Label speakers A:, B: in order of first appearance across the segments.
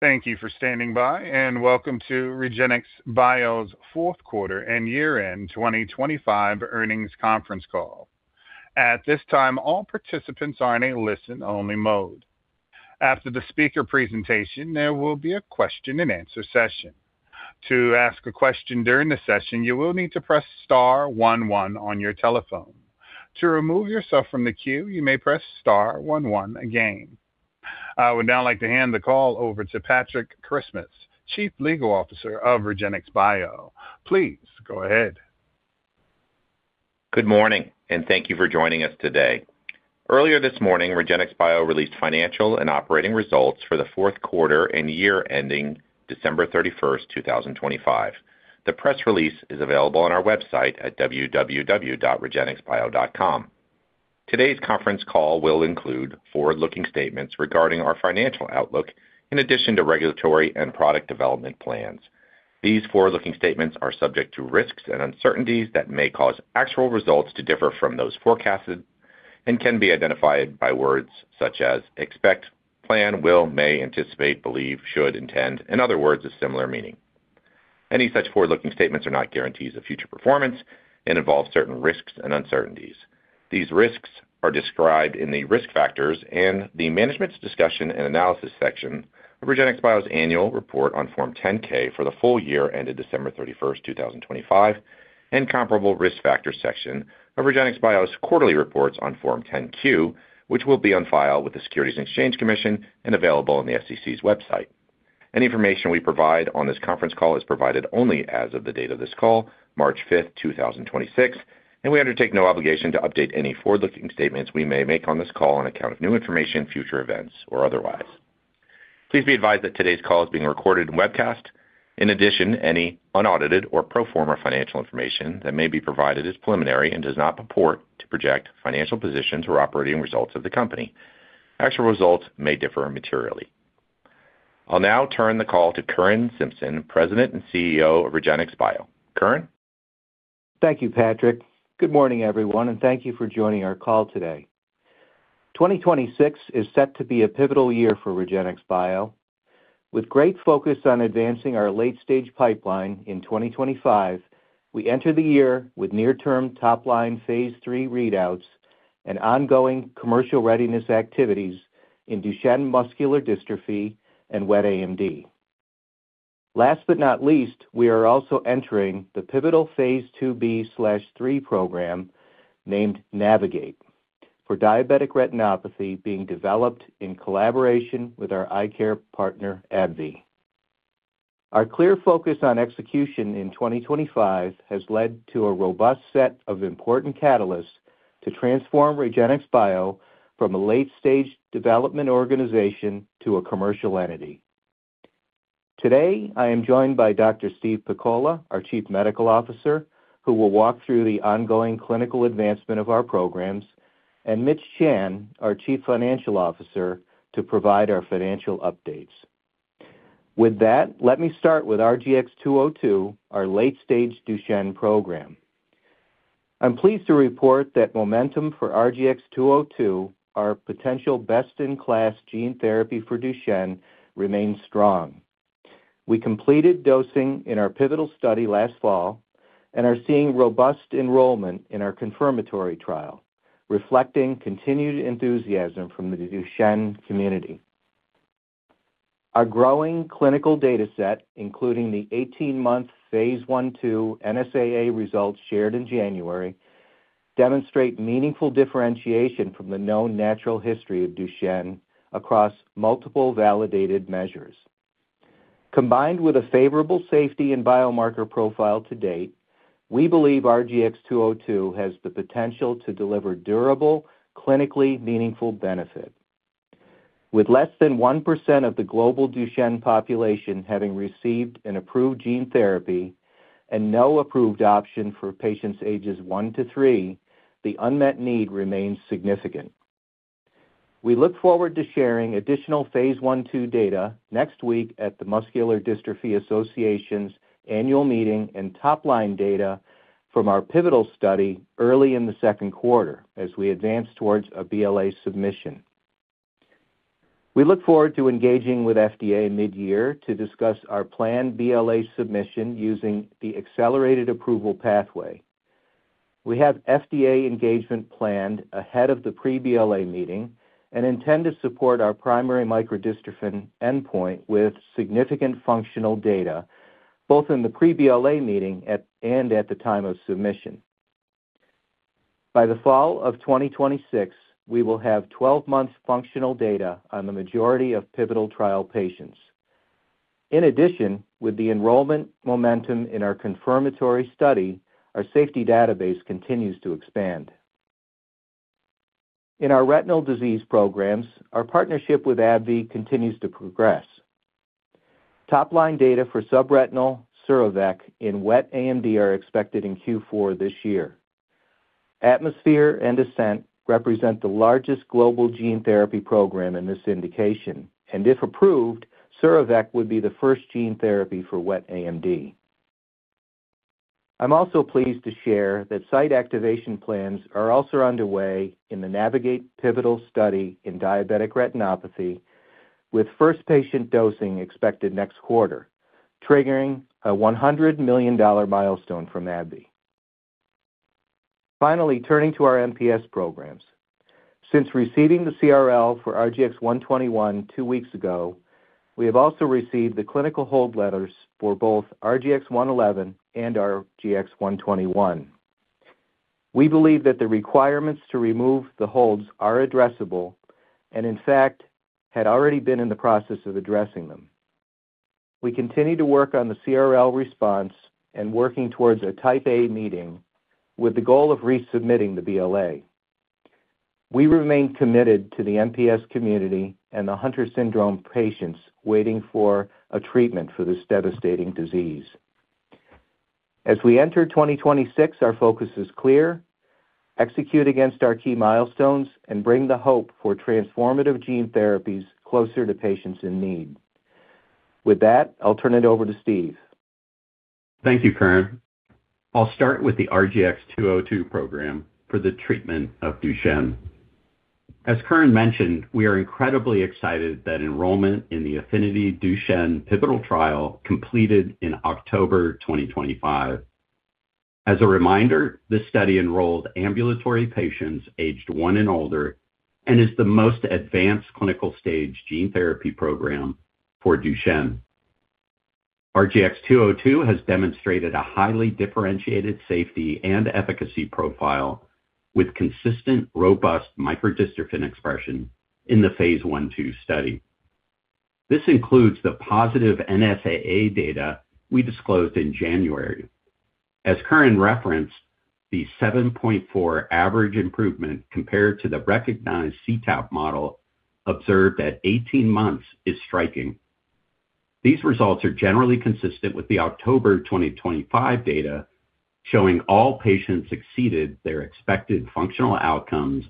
A: Thank you for standing by, welcome to REGENXBIO's fourth quarter and year-end 2025 earnings conference call. At this time, all participants are in a listen-only mode. After the speaker presentation, there will be a question-and-answer session. To ask a question during the session, you will need to press star 1 1 on your telephone. To remove yourself from the queue, you may press star 1 1 again. I would now like to hand the call over to Patrick Christmas, Chief Legal Officer of REGENXBIO. Please go ahead.
B: Good morning, and thank you for joining us today. Earlier this morning, REGENXBIO released financial and operating results for the fourth quarter and year ending December 31st, 2025. The press release is available on our website at www.regenxbio.com. Today's conference call will include forward-looking statements regarding our financial outlook in addition to regulatory and product development plans. These forward-looking statements are subject to risks and uncertainties that may cause actual results to differ from those forecasted and can be identified by words such as expect, plan, will, may, anticipate, believe, should, intend, and other words of similar meaning. Any such forward-looking statements are not guarantees of future performance and involve certain risks and uncertainties. These risks are described in the Risk Factors and the Management's Discussion and Analysis section of REGENXBIO's annual report on Form 10-K for the full year ended December 31st, 2025, and comparable Risk Factors section of REGENXBIO's quarterly reports on Form 10-Q, which will be on file with the Securities and Exchange Commission and available on the SEC's website. Any information we provide on this conference call is provided only as of the date of this call, March 5th, 2026, and we undertake no obligation to update any forward-looking statements we may make on this call on account of new information, future events, or otherwise. Please be advised that today's call is being recorded and webcast. In addition, any unaudited or pro forma financial information that may be provided is preliminary and does not purport to project financial positions or operating results of the company. Actual results may differ materially. I'll now turn the call to Curran Simpson, President and CEO of REGENXBIO. Curran?
C: Thank you, Patrick. Good morning, everyone, and thank you for joining our call today. 2026 is set to be a pivotal year for REGENXBIO. With great focus on advancing our late-stage pipeline in 2025, we enter the year with near-term top-line phase III readouts and ongoing commercial readiness activities in Duchenne muscular dystrophy and wet AMD. Last but not least, we are also entering the pivotal phase IIb/III program named NAVIGATE for diabetic retinopathy being developed in collaboration with our eye care partner, AbbVie. Our clear focus on execution in 2025 has led to a robust set of important catalysts to transform REGENXBIO from a late-stage development organization to a commercial entity. Today, I am joined by Steve Pakola, our Chief Medical Officer, who will walk through the ongoing clinical advancement of our programs, and Vithesh Taneja, our Chief Financial Officer, to provide our financial updates. With that, let me start with RGX-202, our late-stage Duchenne program. I'm pleased to report that momentum for RGX-202, our potential best-in-class gene therapy for Duchenne, remains strong. We completed dosing in our pivotal study last fall and are seeing robust enrollment in our confirmatory trial, reflecting continued enthusiasm from the Duchenne community. Our growing clinical data set, including the 18-month phase I/II NSAA results shared in January, demonstrate meaningful differentiation from the known natural history of Duchenne across multiple validated measures. Combined with a favorable safety and biomarker profile to date, we believe RGX-202 has the potential to deliver durable, clinically meaningful benefit. With less than 1% of the global Duchenne population having received an approved gene therapy and no approved option for patients ages 1 to 3, the unmet need remains significant. We look forward to sharing additional Phase I/II data next week at the Muscular Dystrophy Association's annual meeting and top-line data from our pivotal study early in the second quarter as we advance towards a BLA submission. We look forward to engaging with FDA mid-year to discuss our planned BLA submission using the accelerated approval pathway. We have FDA engagement planned ahead of the pre-BLA meeting and intend to support our primary microdystrophin endpoint with significant functional data, both in the pre-BLA meeting at, and at the time of submission. By the fall of 2026, we will have 12 months functional data on the majority of pivotal trial patients. In addition, with the enrollment momentum in our confirmatory study, our safety database continues to expand. In our retinal disease programs, our partnership with AbbVie continues to progress. Top-line data for subretinal Surrovac in wet AMD are expected in Q4 this year. ATMOSPHERE and ASCENT represent the largest global gene therapy program in this indication, and if approved, Surrovac would be the first gene therapy for wet AMD. I'm also pleased to share that site activation plans are also underway in the NAVIGATE pivotal study in diabetic retinopathy, with first patient dosing expected next quarter, triggering a $100 million milestone from AbbVie. Turning to our MPS programs. Since receiving the CRL for RGX-121 2 weeks ago, we have also received the clinical hold letters for both RGX-111 and RGX-121. We believe that the requirements to remove the holds are addressable and, in fact, had already been in the process of addressing them. We continue to work on the CRL response and working towards a Type A meeting with the goal of resubmitting the BLA. We remain committed to the MPS community and the Hunter syndrome patients waiting for a treatment for this devastating disease. As we enter 2026, our focus is clear: execute against our key milestones and bring the hope for transformative gene therapies closer to patients in need. With that, I'll turn it over to Steve.
D: Thank you, Curran. I'll start with the RGX-202 program for the treatment of Duchenne. As Curran mentioned, we are incredibly excited that enrollment in the AFFINITY DUCHENNE pivotal trial completed in October 2025. As a reminder, this study enrolled ambulatory patients aged 1 and older and is the most advanced clinical stage gene therapy program for Duchenne. RGX-202 has demonstrated a highly differentiated safety and efficacy profile with consistent, robust microdystrophin expression in the phase I-II study. This includes the positive NSAA data we disclosed in January. As Curran referenced, the 7.4 average improvement compared to the recognized CTAP model observed at 18 months is striking. These results are generally consistent with the October 2025 data, showing all patients exceeded their expected functional outcomes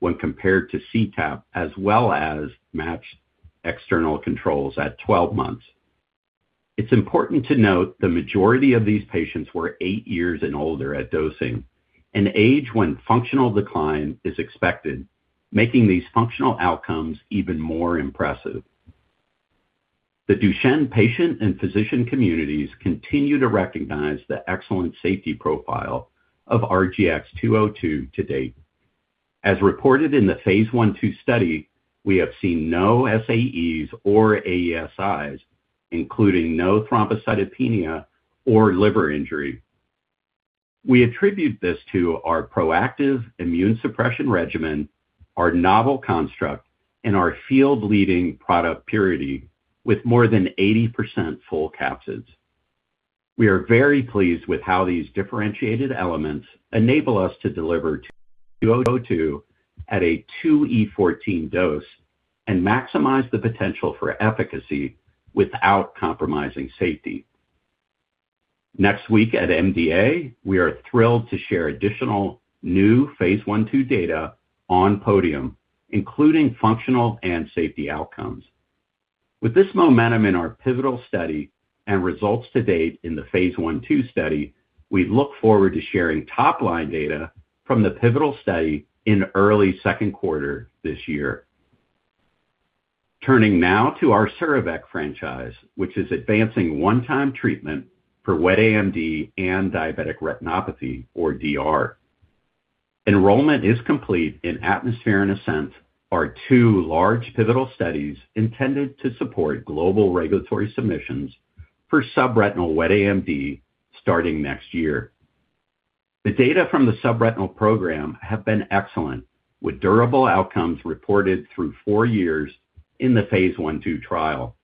D: when compared to CTAP as well as matched external controls at 12 months. It's important to note the majority of these patients were 8 years and older at dosing, an age when functional decline is expected, making these functional outcomes even more impressive. The Duchenne patient and physician communities continue to recognize the excellent safety profile of RGX-202 to date. As reported in the phase 1/2 study, we have seen no SAEs or AESIs, including no thrombocytopenia or liver injury. We attribute this to our proactive immune suppression regimen, our novel construct, and our field-leading product purity with more than 80% full capsids. We are very pleased with how these differentiated elements enable us to deliver RGX-202 at a 2e14 dose and maximize the potential for efficacy without compromising safety. Next week at MDA, we are thrilled to share additional new phase 1/2 data on podium, including functional and safety outcomes. With this momentum in our pivotal study and results to date in the phase 1/2 study, we look forward to sharing top-line data from the pivotal study in early second quarter this year. Turning now to our RGX-314 franchise, which is advancing one-time treatment for wet AMD and diabetic retinopathy or DR. Enrollment is complete in ATMOSPHERE and ASCENT, our two large pivotal studies intended to support global regulatory submissions for subretinal wet AMD starting next year. The data from the subretinal program have been excellent, with durable outcomes reported through four years in the phase 1/2 trial.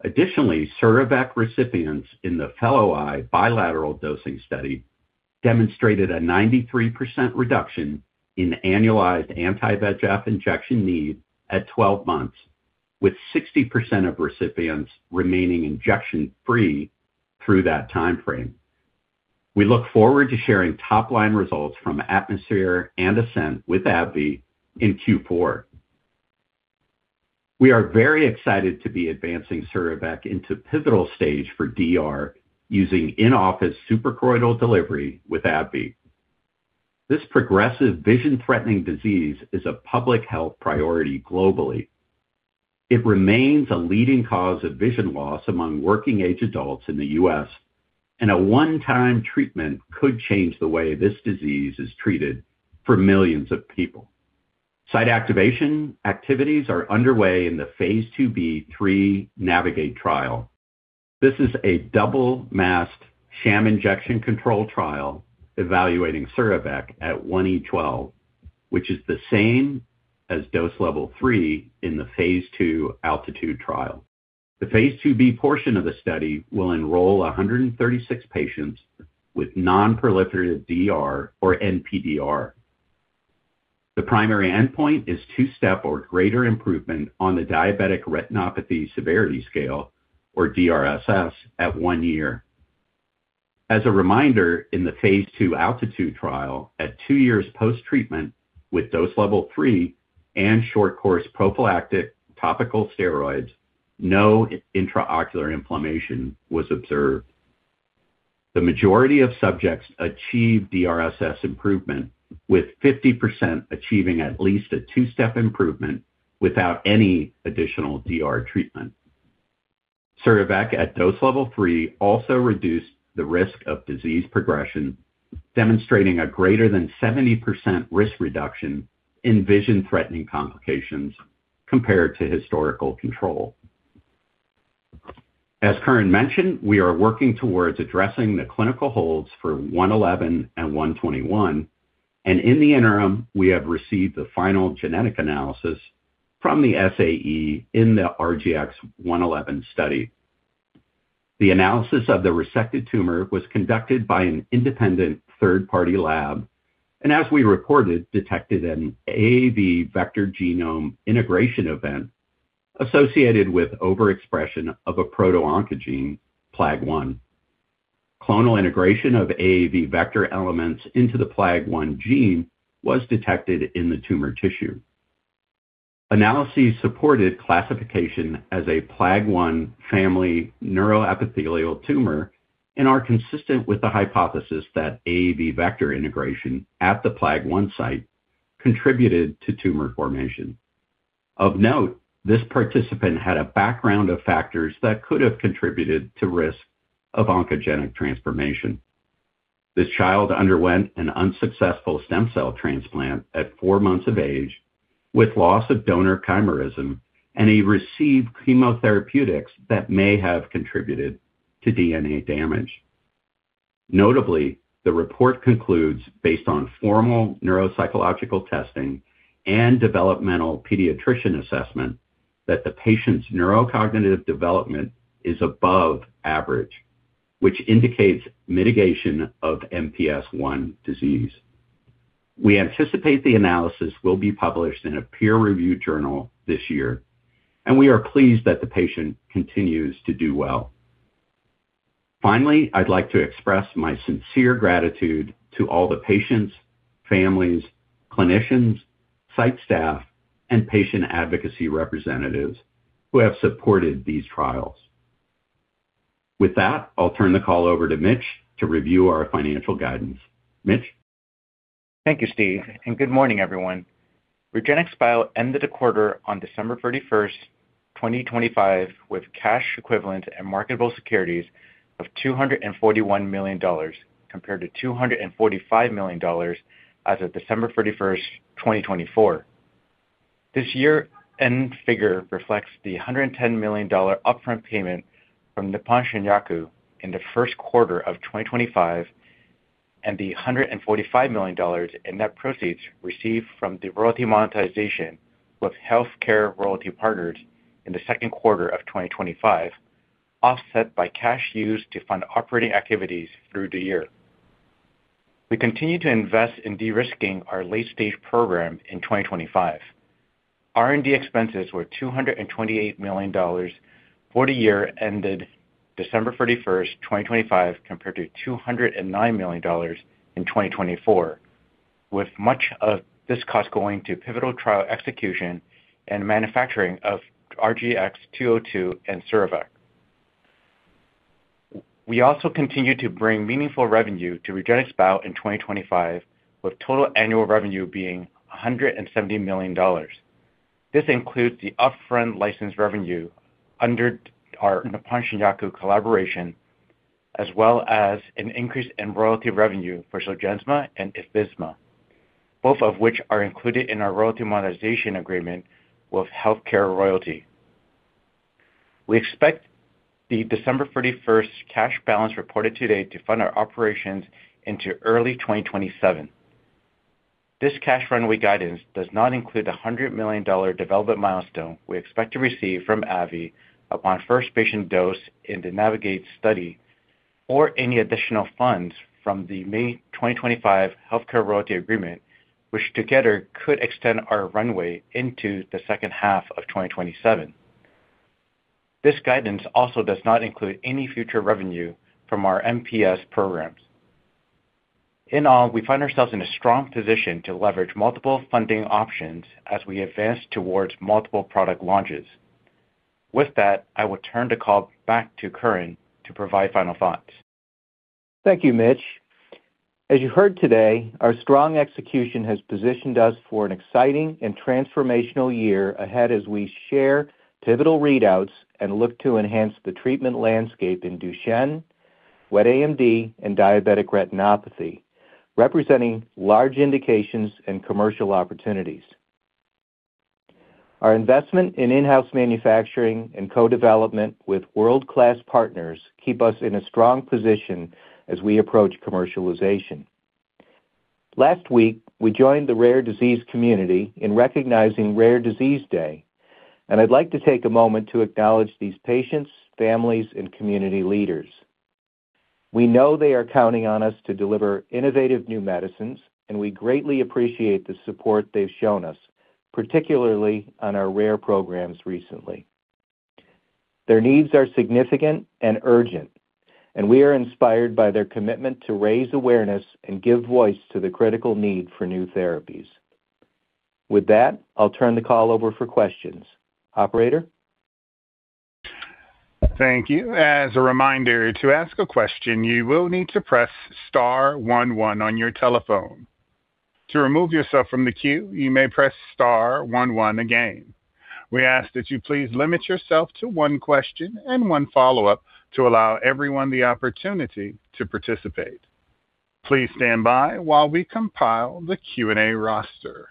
D: Additionally, RGX-314 recipients in the fellow eye bilateral dosing study demonstrated a 93% reduction in annualized anti-VEGF injection need at 12 months, with 60% of recipients remaining injection-free through that timeframe. We look forward to sharing top-line results from ATMOSPHERE and ASCENT with AbbVie in Q4. We are very excited to be advancing ABBV-RGX-314 into pivotal stage for DR using in-office suprachoroidal delivery with AbbVie. This progressive vision-threatening disease is a public health priority globally. It remains a leading cause of vision loss among working age adults in the U.S., and a one-time treatment could change the way this disease is treated for millions of people. Site activation activities are underway in the phase IIb/III NAVIGATE trial. This is a double masked sham injection control trial evaluating ABBV-RGX-314 at 1e12, which is the same as dose level 3 in the phase II ALTITUDE trial. The phase IIb portion of the study will enroll 136 patients with non-proliferative DR or NPDR. The primary endpoint is 2-step or greater improvement on the diabetic retinopathy severity scale or DRSS at one year. As a reminder, in the Phase II ALTITUDE trial, at two years post-treatment with Dose Level 3 and short course prophylactic topical steroids. No intraocular inflammation was observed. The majority of subjects achieved DRSS improvement, with 50% achieving at least a 2-step improvement without any additional DR treatment. RGX-314 at Dose Level 3 also reduced the risk of disease progression, demonstrating a greater than 70% risk reduction in vision-threatening complications compared to historical control. As Curran Simpson mentioned, we are working towards addressing the clinical holds for RGX-111 and RGX-121, in the interim, we have received the final genetic analysis from the SAE in the RGX-111 study. The analysis of the resected tumor was conducted by an independent third-party lab, as we reported, detected an AAV vector genome integration event associated with overexpression of a proto-oncogene PLAG1. Clonal integration of AAV vector elements into the PLAG1 gene was detected in the tumor tissue. Analyses supported classification as a PLAG1 family neuroepithelial tumor and are consistent with the hypothesis that AAV vector integration at the PLAG1 site contributed to tumor formation. Of note, this participant had a background of factors that could have contributed to risk of oncogenic transformation. This child underwent an unsuccessful stem cell transplant at 4 months of age with loss of donor chimerism. He received chemotherapeutics that may have contributed to DNA damage. Notably, the report concludes, based on formal neuropsychological testing and developmental pediatrician assessment, that the patient's neurocognitive development is above average, which indicates mitigation of MPS I disease. We anticipate the analysis will be published in a peer-reviewed journal this year. We are pleased that the patient continues to do well. Finally, I'd like to express my sincere gratitude to all the patients, families, clinicians, site staff, and patient advocacy representatives who have supported these trials. With that, I'll turn the call over to Mitch to review our financial guidance. Mitch?
E: Thank you, Steve. Good morning, everyone. REGENXBIO ended the quarter on December 31st, 2025, with cash equivalents and marketable securities of $241 million, compared to $245 million as of December 31st, 2024. This year-end figure reflects the $110 million upfront payment from Nippon Shinyaku in the first quarter of 2025 and the $145 million in net proceeds received from the royalty monetization with HealthCare Royalty Partners in the second quarter of 2025, offset by cash used to fund operating activities through the year. We continue to invest in de-risking our late-stage program in 2025. R&D expenses were $228 million for the year ended December 31st, 2025, compared to $209 million in 2024, with much of this cost going to pivotal trial execution and manufacturing of RGX-202 and Sirvac. We also continue to bring meaningful revenue to REGENXBIO in 2025, with total annual revenue being $170 million. This includes the upfront license revenue under our Nippon Shinyaku collaboration, as well as an increase in royalty revenue for Zolgensma and Evrysdi, both of which are included in our royalty monetization agreement with HealthCare Royalty. We expect the December 31st cash balance reported today to fund our operations into early 2027. This cash runway guidance does not include the $100 million development milestone we expect to receive from AbbVie upon first patient dose in the NAVIGATE study or any additional funds from the May 2025 HealthCare Royalty agreement, which together could extend our runway into the second half of 2027. This guidance also does not include any future revenue from our MPS programs. In all, we find ourselves in a strong position to leverage multiple funding options as we advance towards multiple product launches. With that, I will turn the call back to Curran Simpson to provide final thoughts.
C: Thank you, Mitch. As you heard today, our strong execution has positioned us for an exciting and transformational year ahead as we share pivotal readouts and look to enhance the treatment landscape in Duchenne, wet AMD, and diabetic retinopathy, representing large indications and commercial opportunities. Our investment in in-house manufacturing and co-development with world-class partners keep us in a strong position as we approach commercialization. Last week, we joined the rare disease community in recognizing Rare Disease Day. I'd like to take a moment to acknowledge these patients, families, and community leaders. We know they are counting on us to deliver innovative new medicines. We greatly appreciate the support they've shown us, particularly on our rare programs recently. Their needs are significant and urgent. We are inspired by their commitment to raise awareness and give voice to the critical need for new therapies. With that, I'll turn the call over for questions. Operator?
A: Thank you. As a reminder, to ask a question, you will need to press star one one on your telephone. To remove yourself from the queue, you may press star one one again. We ask that you please limit yourself to one question and one follow-up to allow everyone the opportunity to participate. Please stand by while we compile the Q&A roster.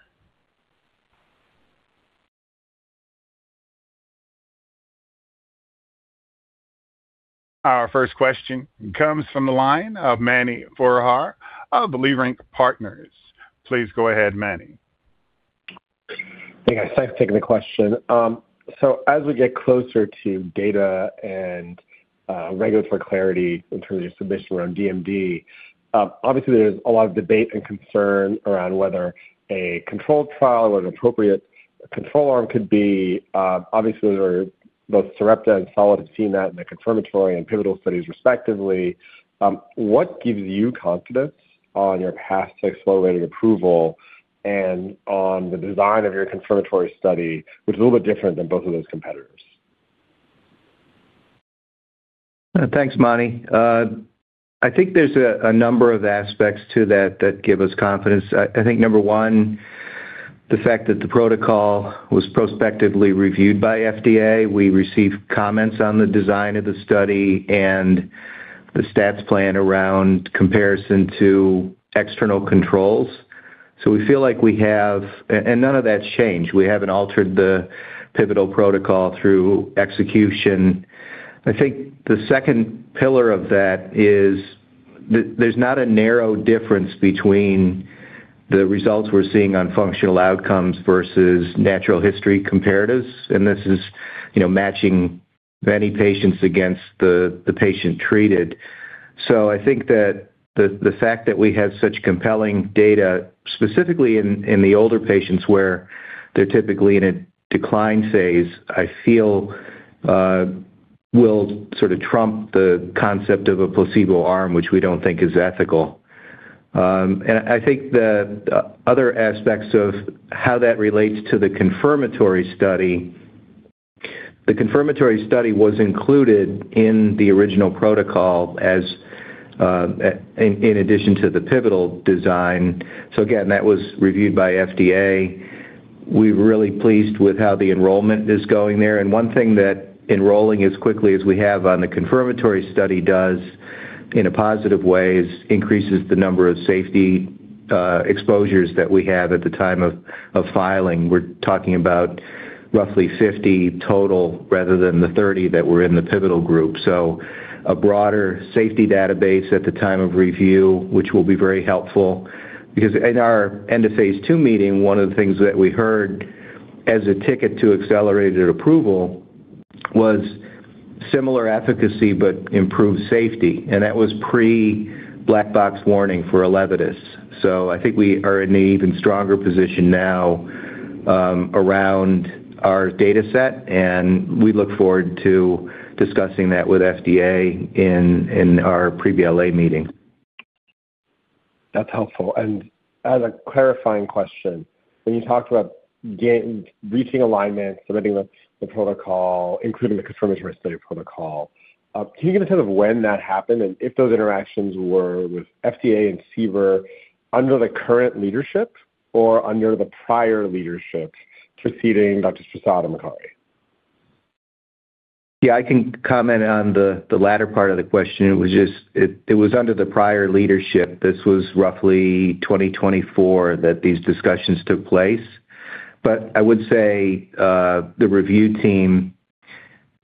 A: Our first question comes from the line of Mani Foroohar of Leerink Partners. Please go ahead, Manny.
F: Thanks. Thanks for taking the question. As we get closer to data and regulatory clarity in terms of submission around DMD, obviously, there's a lot of debate and concern around whether a controlled trial or an appropriate control arm could be, obviously, both Sarepta and Solid have seen that in the confirmatory and pivotal studies, respectively. What gives you confidence on your path to accelerated approval and on the design of your confirmatory study, which is a little bit different than both of those competitors?
C: Thanks, Manny. I think there's a number of aspects to that that give us confidence. I think number one, the fact that the protocol was prospectively reviewed by FDA. We received comments on the design of the study and the stats plan around comparison to external controls. We feel like we have. None of that's changed. We haven't altered the pivotal protocol through execution. I think the second pillar of that is there's not a narrow difference between the results we're seeing on functional outcomes versus natural history comparatives, and this is, you know, matching many patients against the patient treated. I think that the fact that we have such compelling data, specifically in the older patients where they're typically in a decline phase, I feel will sort of trump the concept of a placebo arm, which we don't think is ethical. I think the other aspects of how that relates to the confirmatory study. The confirmatory study was included in the original protocol as in addition to the pivotal design. Again, that was reviewed by FDA. We're really pleased with how the enrollment is going there. One thing that enrolling as quickly as we have on the confirmatory study does in a positive way is increases the number of safety exposures that we have at the time of filing. We're talking about roughly 50 total rather than the 30 that were in the pivotal group. A broader safety database at the time of review, which will be very helpful. In our end of Phase II meeting, one of the things that we heard as a ticket to accelerated approval was similar efficacy but improved safety, and that was pre-black box warning for Elevidys. I think we are in an even stronger position now around our data set, and we look forward to discussing that with FDA in our pre-BLA meeting.
F: That's helpful. As a clarifying question, when you talked about reaching alignment, submitting the protocol, including the confirmatory study protocol, can you give a sense of when that happened and if those interactions were with FDA and CBER under the current leadership or under the prior leadership preceding Dr. Sosada-Macari?
C: Yeah, I can comment on the latter part of the question. It was under the prior leadership. This was roughly 2024 that these discussions took place. I would say, the review team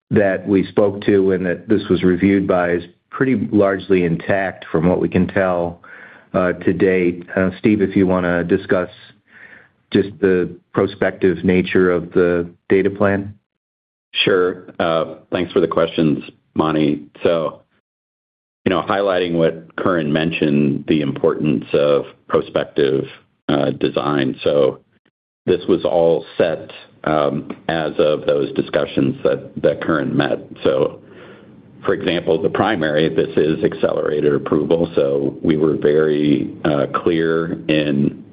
C: that we spoke to and that this was reviewed by is pretty largely intact from what we can tell, to date. Steve, if you wanna discuss just the prospective nature of the data plan.
D: Sure. Thanks for the questions, Mani. You know, highlighting what Curran mentioned, the importance of prospective design. This was all set as of those discussions that Curran met. For example, the primary of this is accelerated approval, so we were very clear in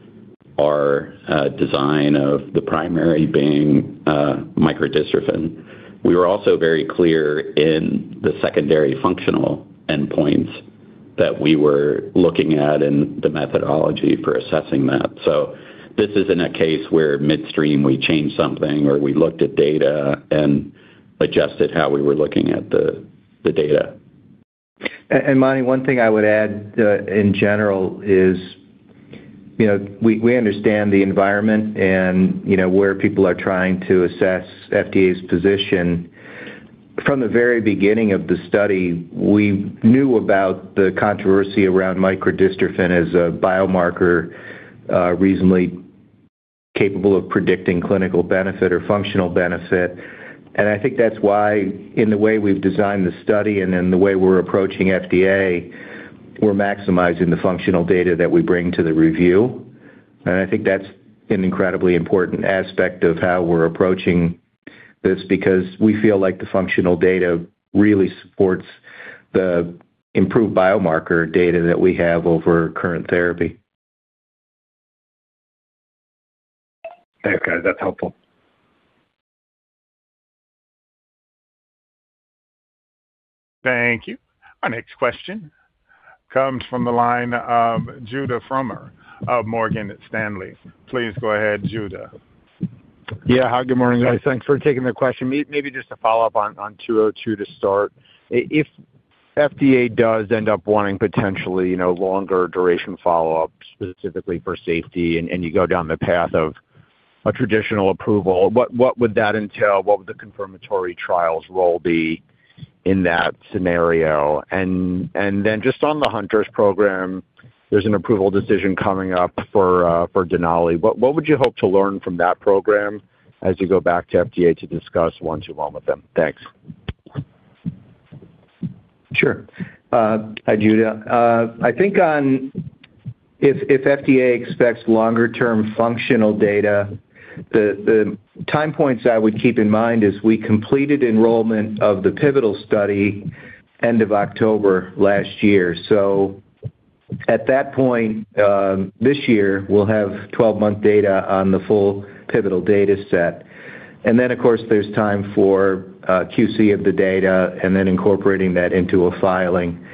D: our design of the primary being microdystrophin. We were also very clear in the secondary functional endpoints that we were looking at and the methodology for assessing that. This isn't a case where midstream we changed something or we looked at data and adjusted how we were looking at the data.
C: Mani, one thing I would add, in general is, you know, we understand the environment and, you know, where people are trying to assess FDA's position. From the very beginning of the study, we knew about the controversy around microdystrophin as a biomarker, reasonably capable of predicting clinical benefit or functional benefit. I think that's why in the way we've designed the study and in the way we're approaching FDA, we're maximizing the functional data that we bring to the review. I think that's an incredibly important aspect of how we're approaching. That's because we feel like the functional data really supports the improved biomarker data that we have over current therapy.
F: Okay, that's helpful.
A: Thank you. Our next question comes from the line of Judah Frommer of Morgan Stanley. Please go ahead, Judah.
G: Yeah. Hi, good morning, guys. Thanks for taking the question. maybe just a follow-up on 202 to start. If FDA does end up wanting potentially, you know, longer duration follow-up specifically for safety and you go down the path of a traditional approval, what would that entail? What would the confirmatory trial's role be in that scenario? Then just on the Hunter syndrome program, there's an approval decision coming up for Denali. What would you hope to learn from that program as you go back to FDA to discuss 121 with them? Thanks.
C: Sure. Hi, Judah. I think on if FDA expects longer-term functional data, the time points I would keep in mind is we completed enrollment of the pivotal study end of October last year. At that point, this year, we'll have 12-month data on the full pivotal dataset. Then, of course, there's time for QC of the data and then incorporating that into a filing.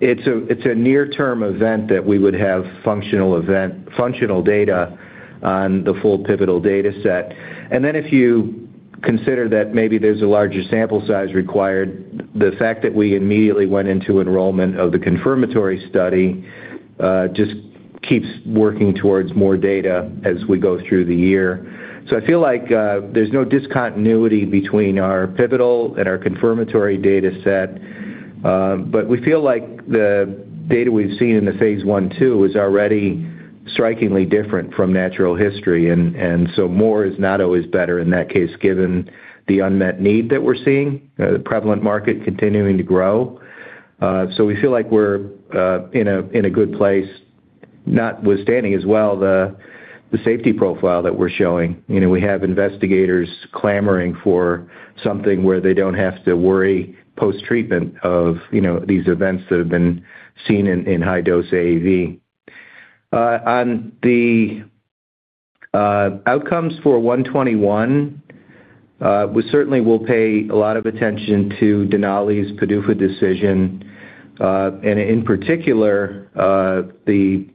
C: It's a, it's a near-term event that we would have functional data on the full pivotal dataset. Then if you consider that maybe there's a larger sample size required, the fact that we immediately went into enrollment of the confirmatory study, just keeps working towards more data as we go through the year. I feel like there's no discontinuity between our pivotal and our confirmatory dataset. We feel like the data we've seen in the phase 1/2 is already strikingly different from natural history, and so more is not always better in that case, given the unmet need that we're seeing, the prevalent market continuing to grow. We feel like we're in a good place, notwithstanding as well the safety profile that we're showing. You know, we have investigators clamoring for something where they don't have to worry post-treatment of, you know, these events that have been seen in high-dose AAV. On the outcomes for 121, we certainly will pay a lot of attention to Denali's PDUFA decision, and in particular, the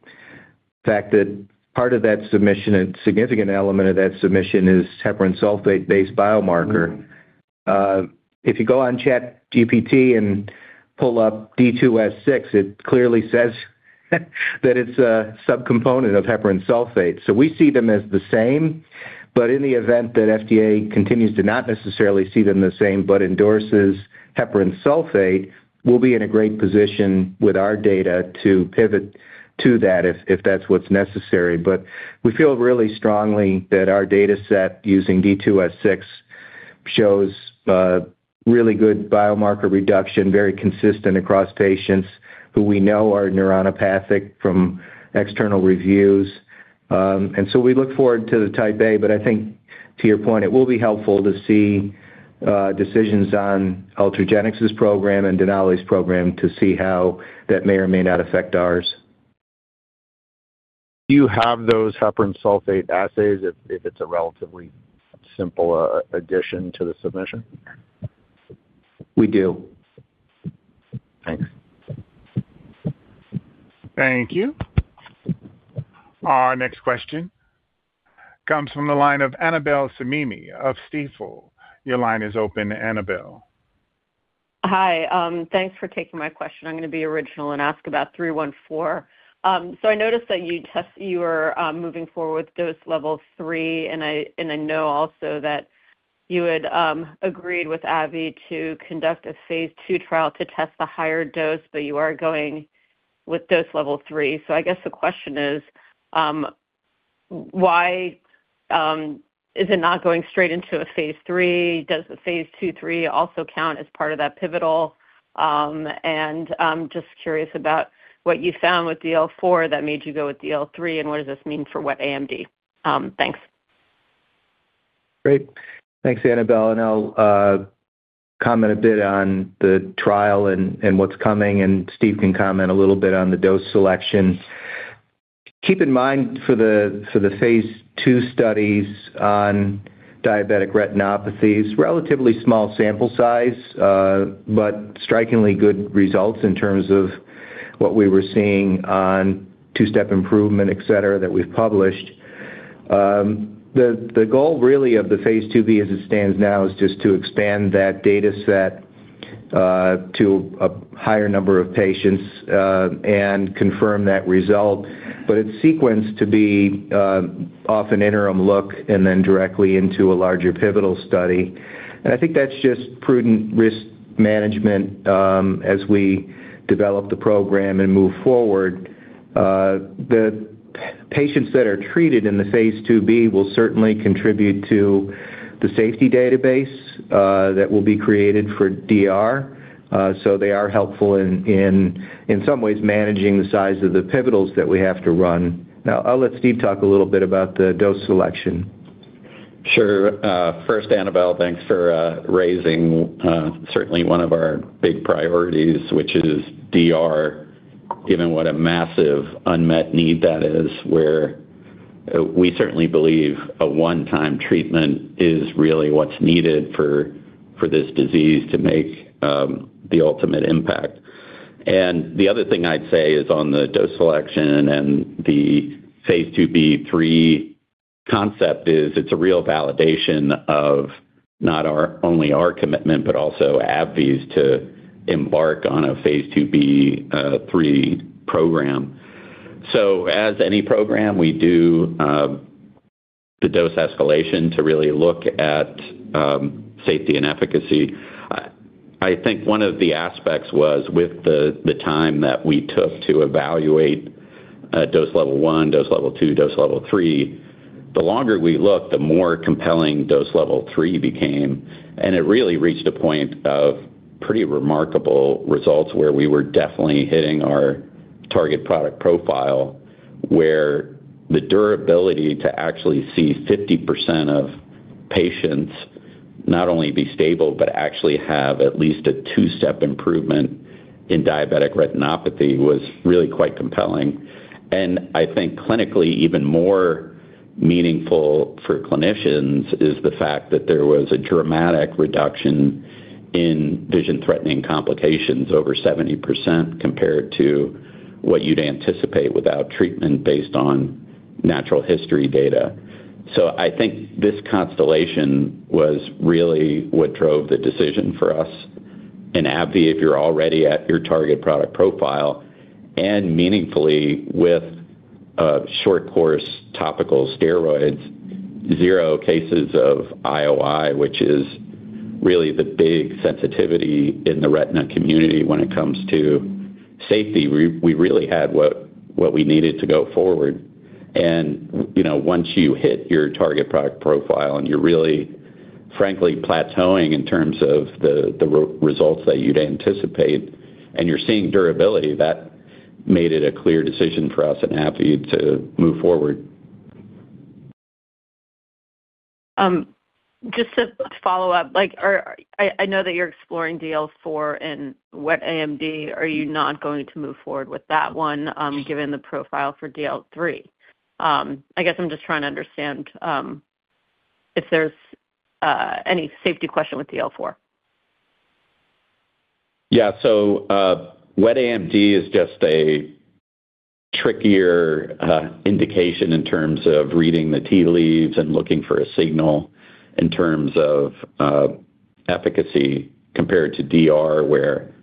C: fact that part of that submission and significant element of that submission is heparan sulfate-based biomarker. If you go on ChatGPT and pull up D2S6, it clearly says that it's a subcomponent of heparan sulfate. We see them as the same. In the event that FDA continues to not necessarily see them the same, but endorses heparan sulfate, we'll be in a great position with our data to pivot to that if that's what's necessary. We feel really strongly that our dataset using D2S6 shows really good biomarker reduction, very consistent across patients who we know are neuronopathic from external reviews. We look forward to the Type A, but I think to your point, it will be helpful to see decisions on Ultragenyx's program and Denali's program to see how that may or may not affect ours.
G: Do you have those heparan sulfate assays if it's a relatively simple addition to the submission?
C: We do.
G: Thanks.
A: Thank you. Our next question comes from the line of Annabel Samimy of Stifel. Your line is open, Annabel.
H: Hi. Thanks for taking my question. I'm gonna be original and ask about 314. I noticed that you are moving forward with Dose Level 3, and I know also that you had agreed with AbbVie to conduct a phase 2 trial to test the higher dose, but you are going with Dose Level 3. I guess the question is, why is it not going straight into a phase 3? Does the phase 2/3 also count as part of that pivotal? I'm just curious about what you found with DL4 that made you go with DL3, and what does this mean for wet AMD? Thanks.
C: Great. Thanks, Annabel. I'll comment a bit on the trial and what's coming, and Steve can comment a little bit on the dose selection. Keep in mind for the phase II studies on diabetic retinopathies, relatively small sample size, but strikingly good results in terms of what we were seeing on 2-step improvement, et cetera, that we've published. The goal really of the phase IIb as it stands now is just to expand that dataset to a higher number of patients and confirm that result. It's sequenced to be off an interim look and then directly into a larger pivotal study. I think that's just prudent risk management as we develop the program and move forward. The patients that are treated in the phase IIb will certainly contribute to the safety database, that will be created for DR. They are helpful in some ways managing the size of the pivotals that we have to run. I'll let Steve talk a little bit about the dose selection.
D: Sure. First, Annabel, thanks for raising certainly one of our big priorities, which is DR, given what a massive unmet need that is, where we certainly believe a one-time treatment is really what's needed for this disease to make the ultimate impact. The other thing I'd say is on the dose selection and the Phase IIb/III concept is it's a real validation of not only our commitment, but also AbbVie's to embark on a Phase IIb/III program. As any program, we do, the dose escalation to really look at safety and efficacy. I think one of the aspects was with the time that we took to evaluate dose level 1, dose level 2, dose level 3, the longer we looked, the more compelling dose level 3 became. It really reached a point of pretty remarkable results where we were definitely hitting our target product profile, where the durability to actually see 50% of patients not only be stable, but actually have at least a two-step improvement in diabetic retinopathy was really quite compelling. I think clinically even more meaningful for clinicians is the fact that there was a dramatic reduction in vision-threatening complications, over 70% compared to what you'd anticipate without treatment based on natural history data. I think this constellation was really what drove the decision for us and AbbVie, if you're already at your target product profile and meaningfully with short course topical steroids, 0 cases of IOI, which is really the big sensitivity in the retina community when it comes to safety. We really had what we needed to go forward. You know, once you hit your target product profile and you're really frankly plateauing in terms of the results that you'd anticipate and you're seeing durability, that made it a clear decision for us and AbbVie to move forward.
H: Just to follow up, like, I know that you're exploring DL4 and wet AMD. Are you not going to move forward with that one, given the profile for DL3? I guess I'm just trying to understand if there's any safety question with DL4?
D: Wet AMD is just a trickier indication in terms of reading the tea leaves and looking for a signal in terms of efficacy compared to DR, where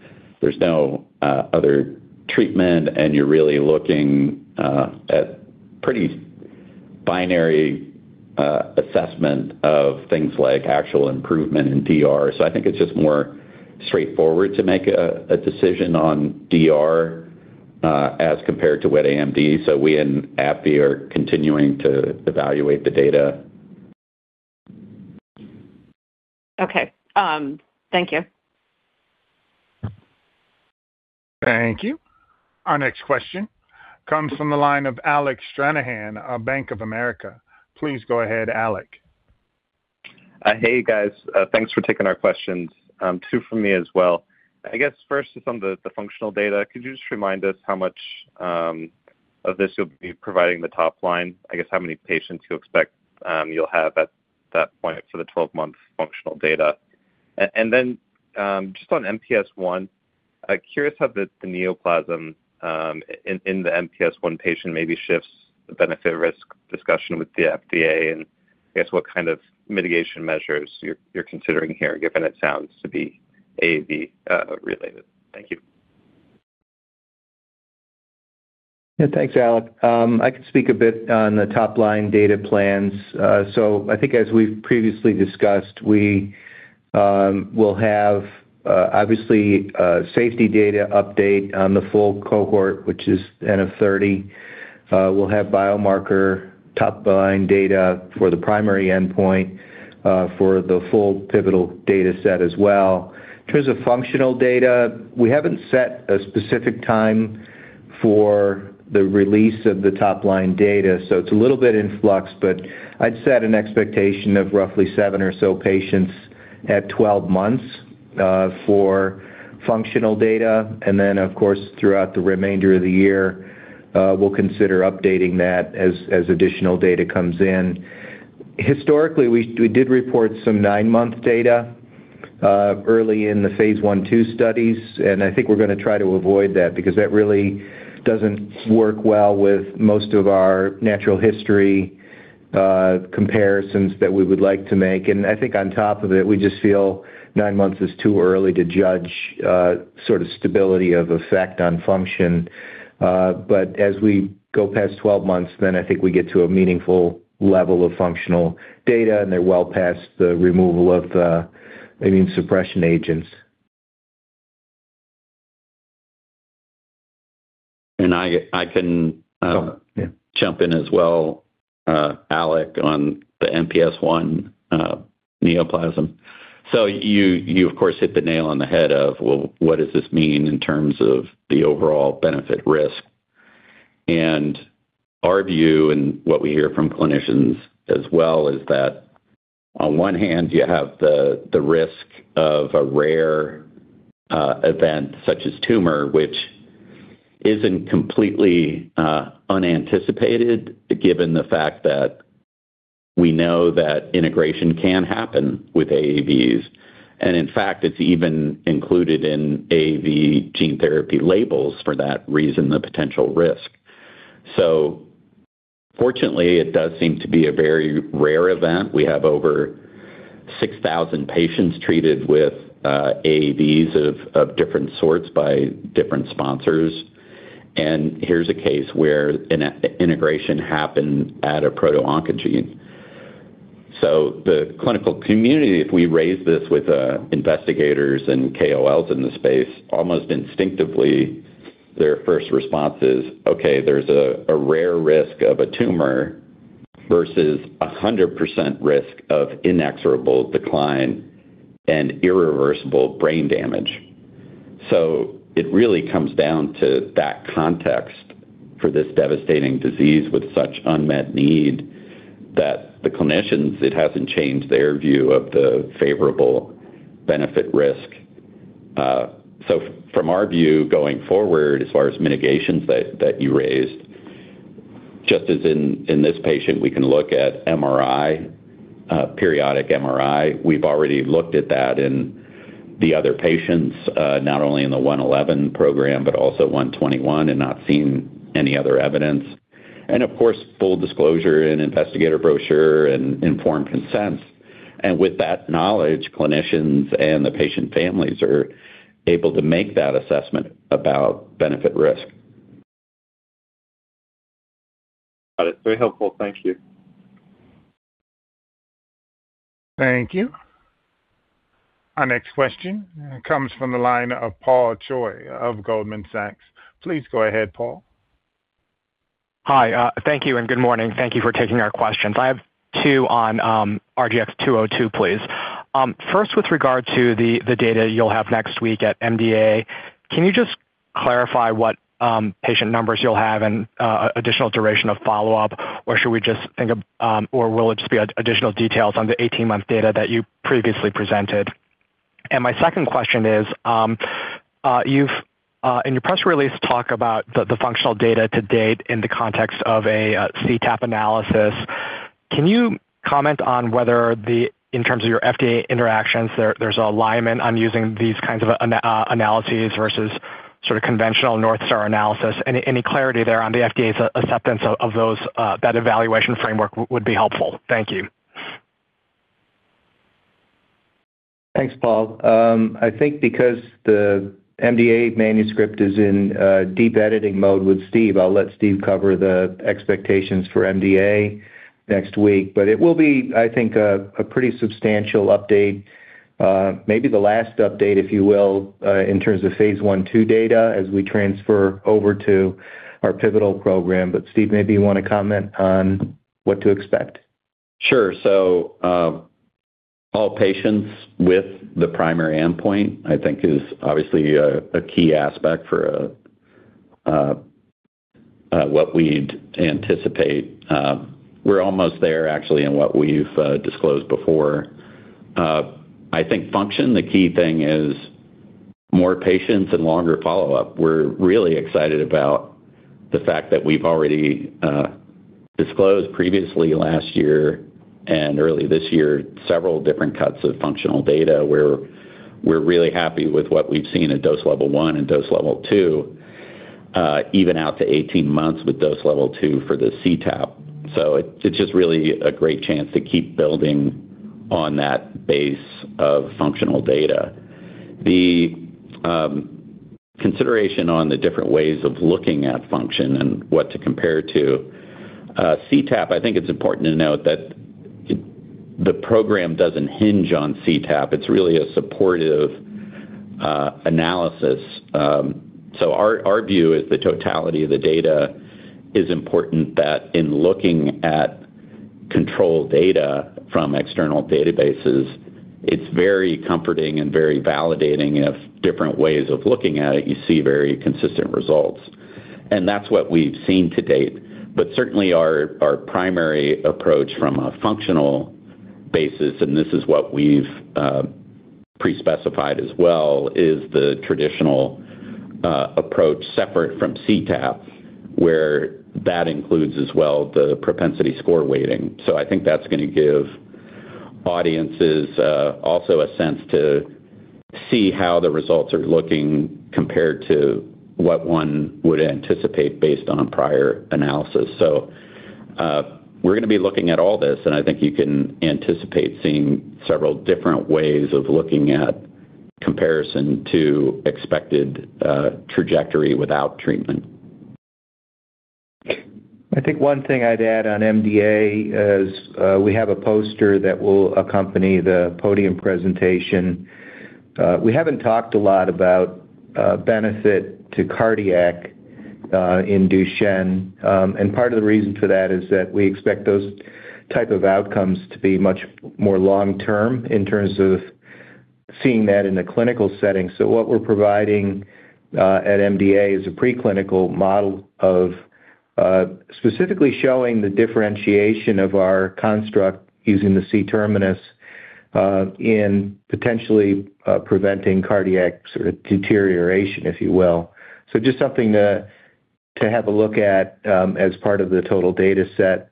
D: there's no other treatment and you're really looking at pretty binary assessment of things like actual improvement in DR. I think it's just more straightforward to make a decision on DR, as compared to wet AMD. We and AbbVie are continuing to evaluate the data.
H: Okay. Thank you.
A: Thank you. Our next question comes from the line of Alec Stranahan of Bank of America. Please go ahead, Alec.
I: Hey, guys. Thanks for taking our questions. Two for me as well. I guess first is on the functional data. Could you just remind us how much of this you'll be providing the top line? I guess how many patients you expect you'll have at that point for the 12-month functional data? Just on MPS I, curious how the neoplasm in the MPS I patient maybe shifts the benefit risk discussion with the FDA, and I guess what kind of mitigation measures you're considering here, given it sounds to be AAV related? Thank you.
C: Yeah. Thanks, Alec. I can speak a bit on the top-line data plans. I think as we've previously discussed, we will have obviously safety data update on the full cohort, which is N of 30. We'll have biomarker top-line data for the primary endpoint for the full pivotal data set as well. In terms of functional data, we haven't set a specific time for the release of the top-line data, so it's a little bit in flux, but I'd set an expectation of roughly seven or so patients at 12 months for functional data. Of course, throughout the remainder of the year, we'll consider updating that as additional data comes in. Historically, we did report some nine-month data, early in the phase I, II studies, I think we're gonna try to avoid that because that really doesn't work well with most of our natural history, comparisons that we would like to make. I think on top of it, we just feel nine months is too early to judge, sort of stability of effect on function. As we go past 12 months, then I think we get to a meaningful level of functional data, and they're well past the removal of the immune suppression agents.
D: I can,
C: Oh, yeah!...
D: jump in as well, Alec, on the MPS I Neoplasm. You of course hit the nail on the head of, well, what does this mean in terms of the overall benefit risk? Our view and what we hear from clinicians as well is that on one hand, you have the risk of a rare event such as tumor, which isn't completely unanticipated, given the fact that we know that integration can happen with AAVs. In fact, it's even included in AAV gene therapy labels for that reason, the potential risk. Fortunately, it does seem to be a very rare event. We have over 6,000 patients treated with AAVs of different sorts by different sponsors. Here's a case where an integration happened at a proto-oncogene. The clinical community, if we raise this with investigators and KOLs in the space, almost instinctively, their first response is, "Okay, there's a rare risk of a tumor versus a 100% risk of inexorable decline and irreversible brain damage." It really comes down to that context for this devastating disease with such unmet need that the clinicians, it hasn't changed their view of the favorable benefit risk. From our view going forward as far as mitigations that you raised, just as in this patient, we can look at MRI, periodic MRI. We've already looked at that in the other patients, not only in the RGX-111 program, but also RGX-121 and not seen any other evidence. Of course, full disclosure and investigator brochure and informed consents. With that knowledge, clinicians and the patient families are able to make that assessment about benefit risk. Got it. Very helpful. Thank you.
A: Thank you. Our next question comes from the line of Paul Choi of Goldman Sachs. Please go ahead, Paul.
J: Hi. Thank you and good morning. Thank you for taking our questions. I have 2 on RGX-202, please. First, with regard to the data you'll have next week at MDA, can you just clarify what patient numbers you'll have and additional duration of follow-up? Or should we just think of, or will it just be additional details on the 18-month data that you previously presented? My second question is, you've in your press release talk about the functional data to date in the context of a CTAP analysis. Can you comment on whether in terms of your FDA interactions, there's alignment on using these kinds of analyses versus sort of conventional North Star analysis? Any clarity there on the FDA's acceptance of those, that evaluation framework would be helpful. Thank you.
C: Thanks, Paul. I think because the MDA manuscript is in deep editing mode with Steve, I'll let Steve cover the expectations for MDA next week. It will be, I think, a pretty substantial update, maybe the last update, if you will, in terms of phase I, II data as we transfer over to our pivotal program. Steve, maybe you want to comment on what to expect.
D: Sure. All patients with the primary endpoint, I think is obviously a key aspect for what we'd anticipate. We're almost there actually in what we've disclosed before. I think function, the key thing is more patients and longer follow-up. We're really excited about the fact that we've already disclosed previously last year and early this year, several different cuts of functional data. We're really happy with what we've seen at Dose Level 1 and Dose Level 2, even out to 18 months with Dose Level 2 for the CTAP. It's just really a great chance to keep building on that base of functional data. The consideration on the different ways of looking at function and what to compare to CTAP, I think it's important to note that the program doesn't hinge on CTAP. It's really a supportive analysis. Our view is the totality of the data is important that in looking at control data from external databases, it's very comforting and very validating of different ways of looking at it. You see very consistent results. That's what we've seen to date. Certainly our primary approach from a functional basis, and this is what we've pre-specified as well, is the traditional approach separate from CTAP, where that includes as well the propensity score weighting. I think that's going to give audiences also a sense to see how the results are looking compared to what one would anticipate based on prior analysis. We're going to be looking at all this, and I think you can anticipate seeing several different ways of looking at comparison to expected trajectory without treatment.
C: I think one thing I'd add on MDA is we have a poster that will accompany the podium presentation. We haven't talked a lot about benefit to cardiac in Duchenne. Part of the reason for that is that we expect those type of outcomes to be much more long-term in terms of seeing that in a clinical setting. What we're providing at MDA is a preclinical model of specifically showing the differentiation of our construct using the C-terminus in potentially preventing cardiac sort of deterioration, if you will. Just something to have a look at as part of the total data set,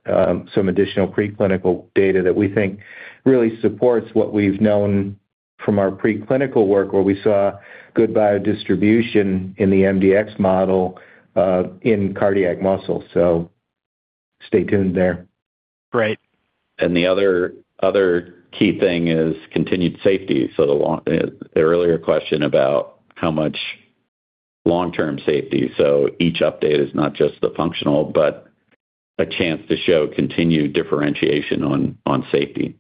C: some additional preclinical data that we think really supports what we've known from our preclinical work where we saw good biodistribution in the mdx model in cardiac muscle. Stay tuned there.
J: Great.
D: The other key thing is continued safety. The earlier question about how much long-term safety. Each update is not just the functional, but a chance to show continued differentiation on safety.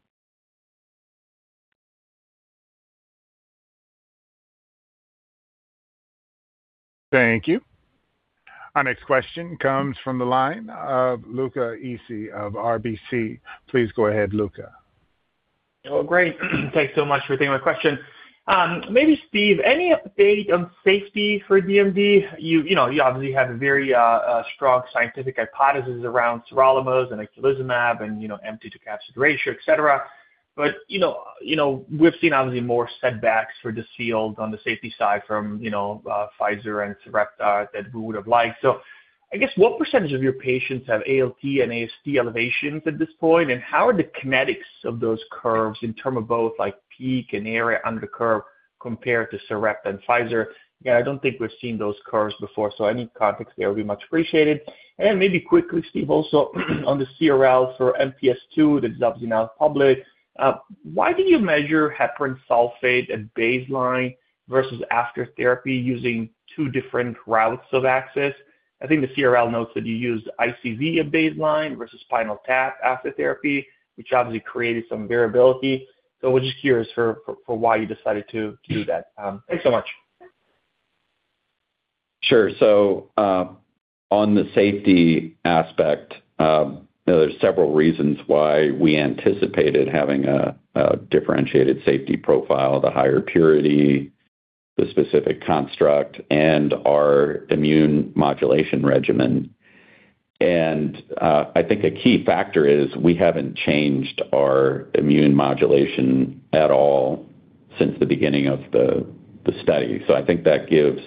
A: Thank you. Our next question comes from the line of Luca Issi of RBC. Please go ahead, Luca.
K: Great. Thanks so much for taking my question. Maybe Steve, any update on safety for DMD? You know, you obviously have a very strong scientific hypothesis around sirolimus and eculizumab and, you know, empty to capture ratio, et cetera. You know, we've seen obviously more setbacks for this field on the safety side from, you know, Pfizer and Sarepta than we would have liked. I guess, what % of your patients have ALT and AST elevations at this point? How are the kinetics of those curves in terms of both, like, peak and area under the curve compared to Sarepta and Pfizer? Yeah, I don't think we've seen those curves before, any context there will be much appreciated. Maybe quickly, Steve, also on the CRL for MPS II, the sub's now public. Why do you measure heparan sulfate at baseline versus after therapy using 2 different routes of access? I think the CRL notes that you used ICV at baseline versus spinal tap after therapy, which obviously created some variability. We're just curious for why you decided to do that. Thanks so much.
D: Sure. On the safety aspect, you know, there's several reasons why we anticipated having a differentiated safety profile, the higher purity, the specific construct, and our immune modulation regimen. I think a key factor is we haven't changed our immune modulation at all since the beginning of the study. I think that gives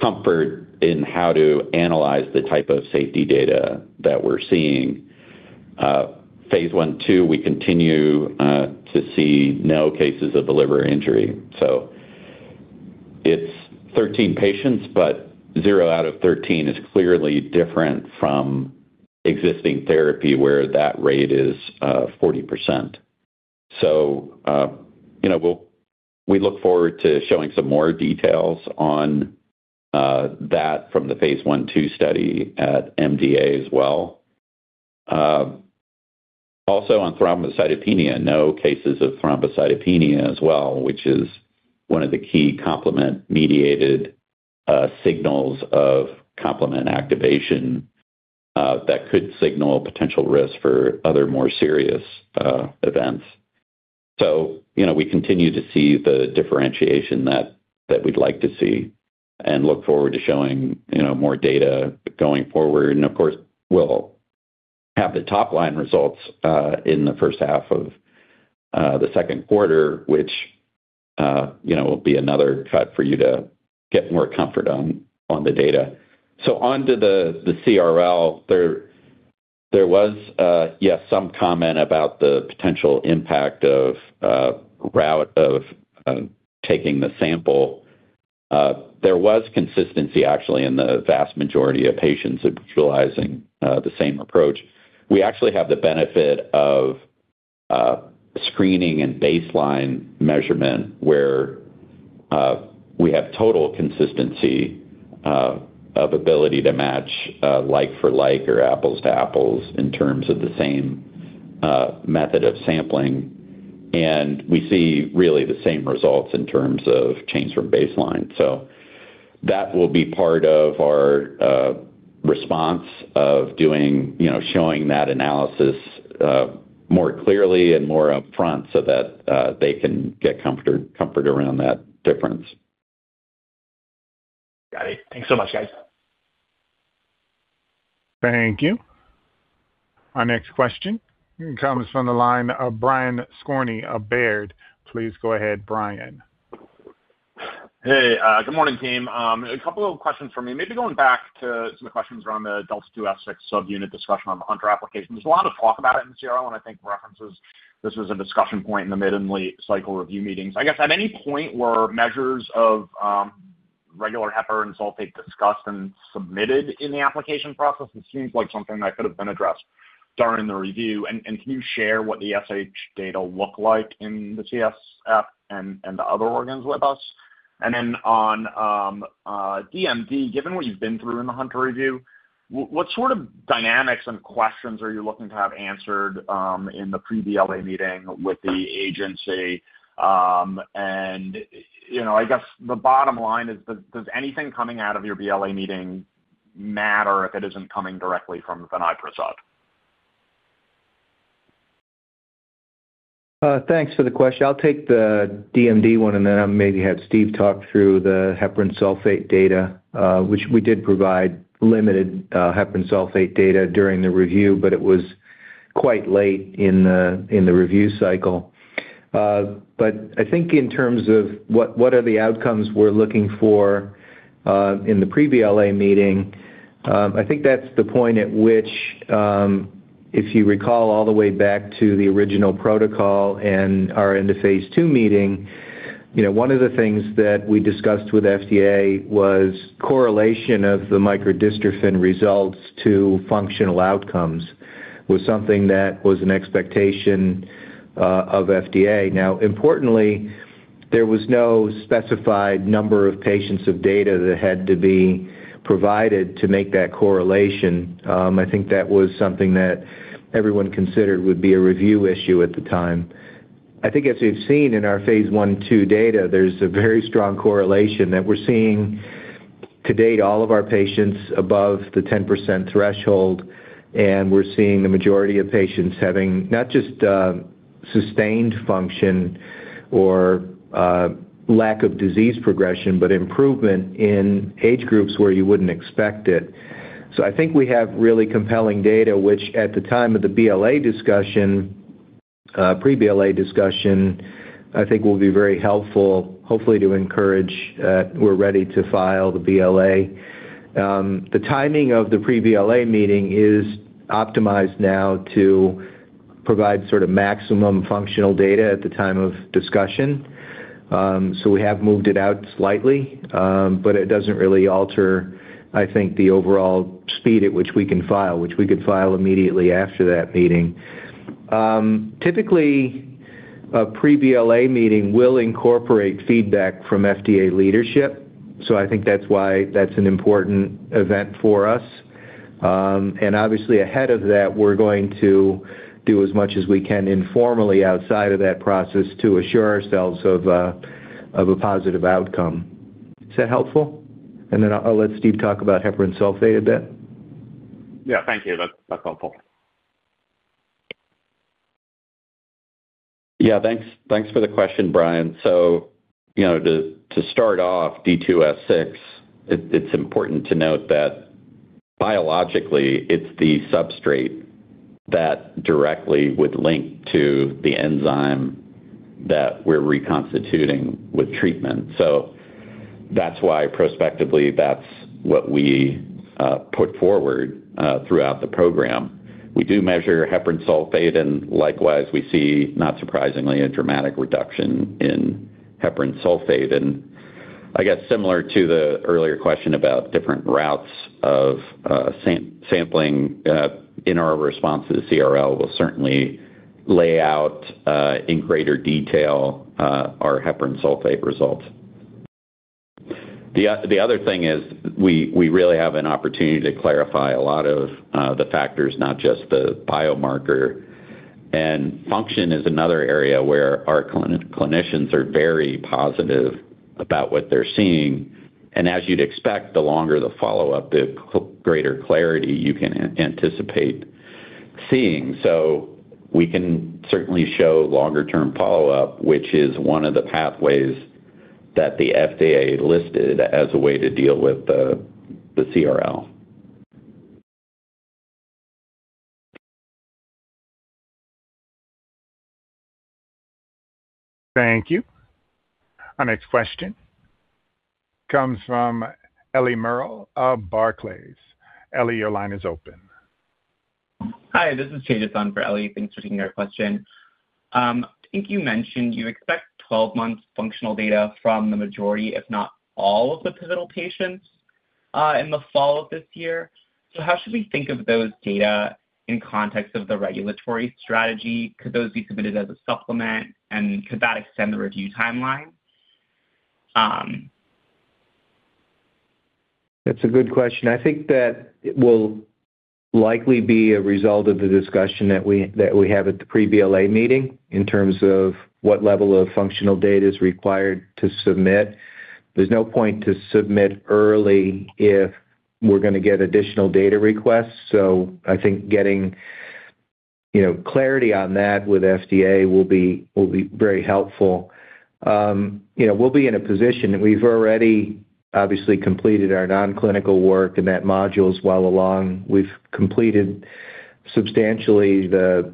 D: comfort in how to analyze the type of safety data that we're seeing. phase 1/2, we continue to see no cases of the liver injury. It's 13 patients, but 0 out of 13 is clearly different from existing therapy where that rate is 40%. You know, we look forward to showing some more details on that from the phase 1/2 study at MDA as well. Also on thrombocytopenia, no cases of thrombocytopenia as well, which is one of the key complement mediated signals of complement activation that could signal potential risk for other more serious events. You know, we continue to see the differentiation that we'd like to see and look forward to showing, you know, more data going forward. Of course, we'll have the top line results in the first half of the second quarter, which, you know, will be another cut for you to get more comfort on the data. On to the CRL, there was, yes, some comment about the potential impact of route of taking the sample. There was consistency actually in the vast majority of patients utilizing the same approach. We actually have the benefit of screening and baseline measurement where we have total consistency of ability to match like for like or apples to apples in terms of the same method of sampling. We see really the same results in terms of change from baseline. That will be part of our response of doing, you know, showing that analysis more clearly and more upfront so that they can get comfort around that difference.
K: Got it. Thanks so much, guys.
A: Thank you. Our next question comes from the line of Brian Skorney of Baird. Please go ahead, Brian.
L: Hey, good morning team. A couple of questions for me. Maybe going back to some questions around the D2S6 subunit discussion on the Hunter syndrome application. There's a lot of talk about it in CRL, and I think references this was a discussion point in the mid and late cycle review meetings. I guess at any point were measures of regular heparan sulfate discussed and submitted in the application process? It seems like something that could have been addressed during the review. Can you share what the HS data look like in the CSF and the other organs with us? On DMD, given what you've been through in the Hunter syndrome review, what sort of dynamics and questions are you looking to have answered in the pre-BLA meeting with the agency? You know, I guess the bottom line is does anything coming out of your BLA meeting matter if it isn't coming directly from Vinay Prasad?
C: Thanks for the question. I'll take the DMD one, and then I'll maybe have Steve talk through the heparan sulfate data, which we did provide limited heparan sulfate data during the review, but it was quite late in the, in the review cycle. I think in terms of what are the outcomes we're looking for, in the pre-BLA meeting, I think that's the point at which, if you recall all the way back to the original protocol and our end-of-phase 2 meeting, you know, one of the things that we discussed with FDA was correlation of the microdystrophin results to functional outcomes, was something that was an expectation of FDA. Importantly, there was no specified number of patients of data that had to be provided to make that correlation. I think that was something that everyone considered would be a review issue at the time. I think as we've seen in our phase I/II data, there's a very strong correlation that we're seeing to date all of our patients above the 10% threshold, and we're seeing the majority of patients having not just sustained function or lack of disease progression, but improvement in age groups where you wouldn't expect it. I think we have really compelling data, which at the time of the BLA discussion, pre-BLA discussion, I think will be very helpful, hopefully to encourage, we're ready to file the BLA. The timing of the pre-BLA meeting is optimized now to provide sort of maximum functional data at the time of discussion. We have moved it out slightly, but it doesn't really alter, I think the overall speed at which we can file, which we could file immediately after that meeting. Typically, a pre-BLA meeting will incorporate feedback from FDA leadership. I think that's why that's an important event for us. Obviously ahead of that, we're going to do as much as we can informally outside of that process to assure ourselves of a positive outcome. Is that helpful? I'll let Steve talk about heparan sulfate a bit.
L: Yeah. Thank you. That's helpful.
D: Yeah. Thanks. Thanks for the question, Brian. You know, to start off D2S6, it's important to note that biologically it's the substrate that directly would link to the enzyme that we're reconstituting with treatment. That's why prospectively, that's what we put forward throughout the program. We do measure heparan sulfate, and likewise, we see, not surprisingly, a dramatic reduction in heparan sulfate. I guess similar to the earlier question about different routes of sampling, in our response to the CRL, we'll certainly lay out in greater detail our heparan sulfate results. The other thing is we really have an opportunity to clarify a lot of the factors, not just the biomarker. Function is another area where our clinicians are very positive about what they're seeing. As you'd expect, the longer the follow-up, the greater clarity you can anticipate seeing. We can certainly show longer-term follow-up, which is one of the pathways that the FDA listed as a way to deal with the CRL.
A: Thank you. Our next question comes from Eliana Merle of Barclays. Ellie, your line is open.
M: Hi, this is Tejas on for Ellie. Thanks for taking our question. I think you mentioned you expect 12 months functional data from the majority, if not all of the pivotal patients, in the fall of this year. How should we think of those data in context of the regulatory strategy? Could those be submitted as a supplement, and could that extend the review timeline?
C: That's a good question. I think that it will likely be a result of the discussion that we have at the pre-BLA meeting in terms of what level of functional data is required to submit. There's no point to submit early if we're gonna get additional data requests. I think getting, you know, clarity on that with FDA will be very helpful. You know, we'll be in a position. We've already obviously completed our non-clinical work, and that module is well along. We've completed substantially the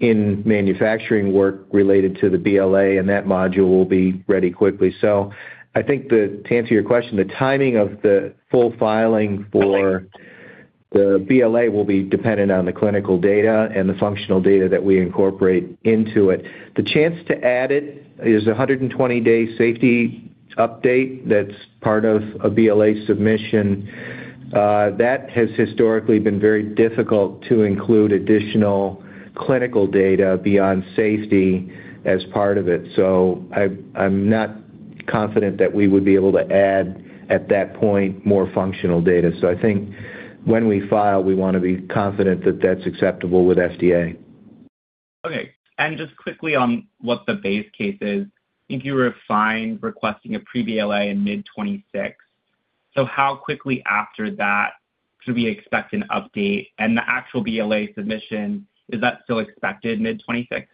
C: in-manufacturing work related to the BLA, and that module will be ready quickly. To answer your question, the timing of the full filing for the BLA will be dependent on the clinical data and the functional data that we incorporate into it. The chance to add it is a 120-day safety update that's part of a BLA submission. That has historically been very difficult to include additional clinical data beyond safety as part of it. I'm not confident that we would be able to add, at that point, more functional data. I think when we file, we wanna be confident that that's acceptable with FDA.
M: Okay. Just quickly on what the base case is, if you were fine requesting a pre-BLA in mid 2026, so how quickly after that should we expect an update? The actual BLA submission, is that still expected mid 2026?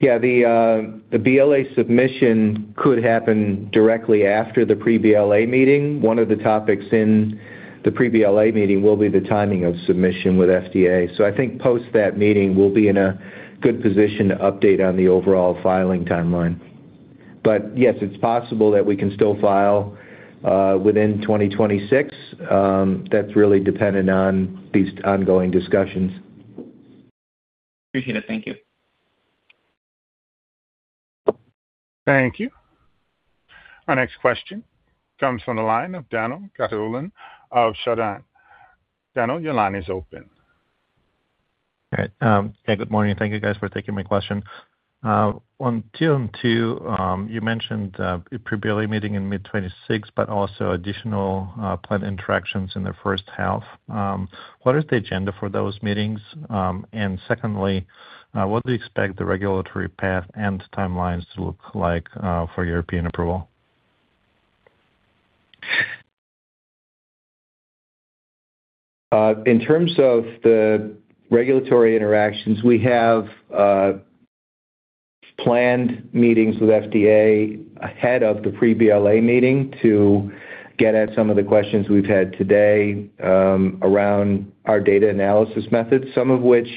C: Yeah. The BLA submission could happen directly after the pre-BLA meeting. One of the topics in the pre-BLA meeting will be the timing of submission with FDA. I think post that meeting, we'll be in a good position to update on the overall filing timeline. Yes, it's possible that we can still file within 2026. That's really dependent on these ongoing discussions.
M: Appreciate it. Thank you.
A: Thank you. Our next question comes from the line of Daniel Connell of Schroders. Daniel, your line is open.
N: All right. Yeah, good morning. Thank you guys for taking my question. On TM2, you mentioned a pre-BLA meeting in mid 2026, but also additional planned interactions in the first half. What is the agenda for those meetings? Secondly, what do you expect the regulatory path and timelines to look like for European approval?
C: In terms of the regulatory interactions, we have planned meetings with FDA ahead of the pre-BLA meeting to get at some of the questions we've had today, around our data analysis methods, some of which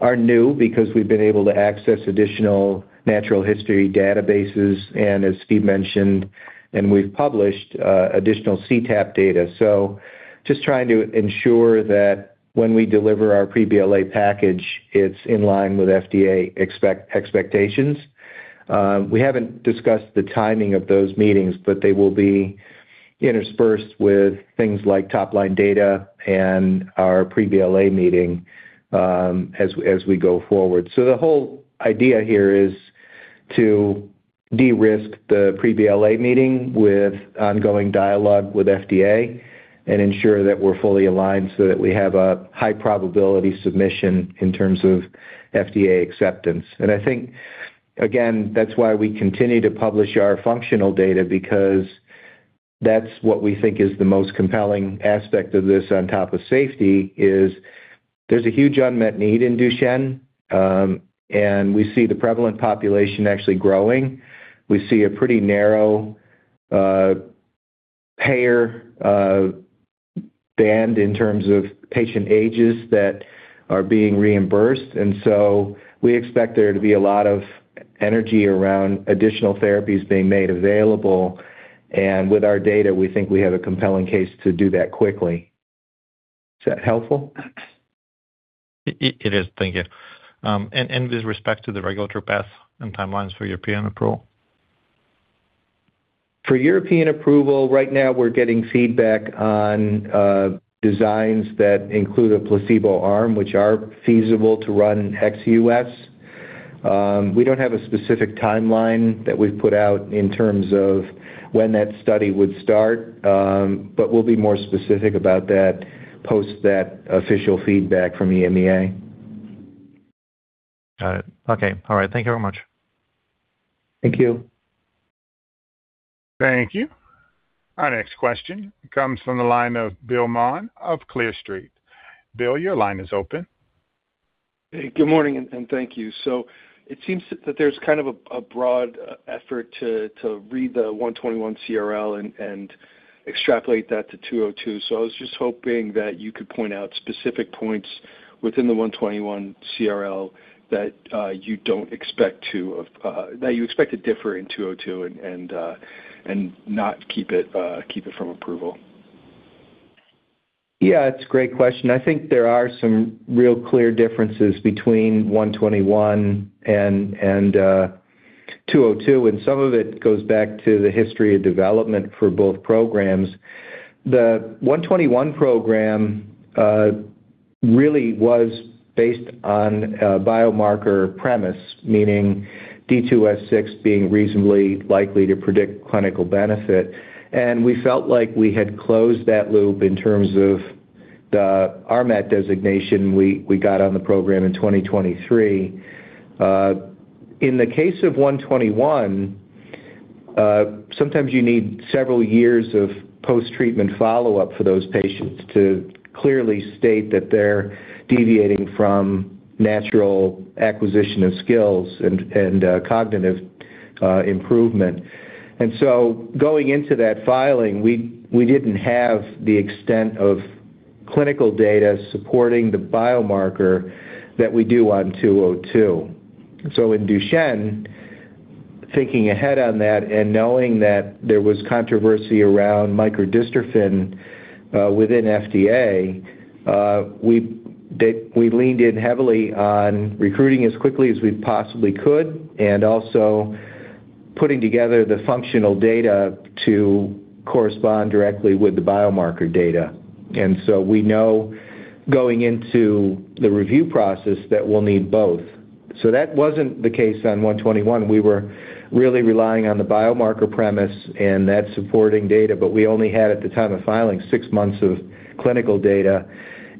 C: are new because we've been able to access additional natural history databases and as Steve mentioned, and we've published additional CTAP data. Just trying to ensure that when we deliver our pre-BLA package, it's in line with FDA expectations. We haven't discussed the timing of those meetings, but they will be interspersed with things like top-line data and our pre-BLA meeting, as we go forward. The whole idea here is to de-risk the pre-BLA meeting with ongoing dialogue with FDA and ensure that we're fully aligned so that we have a high probability submission in terms of FDA acceptance. I think, again, that's why we continue to publish our functional data because that's what we think is the most compelling aspect of this on top of safety, is there's a huge unmet need in Duchenne, and we see the prevalent population actually growing. We see a pretty narrow payer band in terms of patient ages that are being reimbursed, and so we expect there to be a lot of energy around additional therapies being made available. With our data, we think we have a compelling case to do that quickly. Is that helpful?
N: It is. Thank you. With respect to the regulatory path and timelines for European approval?
C: For European approval, right now we're getting feedback on designs that include a placebo arm, which are feasible to run ex US. We don't have a specific timeline that we've put out in terms of when that study would start, but we'll be more specific about that post that official feedback from EMEA.
N: Got it. Okay. All right. Thank you very much.
C: Thank you.
A: Thank you. Our next question comes from the line of Bill Maughan of Clear Street. Bill, your line is open.
O: Good morning, and thank you. It seems that there's kind of a broad effort to read the 121 CRL and extrapolate that to 202. I was just hoping that you could point out specific points within the 121 CRL that you don't expect to that you expect to differ in 202 and not keep it keep it from approval.
C: Yeah, it's a great question. I think there are some real clear differences between RGX-121 and RGX-202, and some of it goes back to the history of development for both programs. The RGX-121 program really was based on a biomarker premise, meaning D2S6 being reasonably likely to predict clinical benefit. We felt like we had closed that loop in terms of the RMAT designation we got on the program in 2023. In the case of RGX-121, sometimes you need several years of post-treatment follow-up for those patients to clearly state that they're deviating from natural acquisition of skills and cognitive improvement. Going into that filing, we didn't have the extent of clinical data supporting the biomarker that we do on RGX-202. In Duchenne, thinking ahead on that and knowing that there was controversy around microdystrophin, within FDA, we leaned in heavily on recruiting as quickly as we possibly could and also putting together the functional data to correspond directly with the biomarker data. We know going into the review process that we'll need both. That wasn't the case on RGX-121. We were really relying on the biomarker premise and that supporting data, but we only had, at the time of filing, 6 months of clinical data.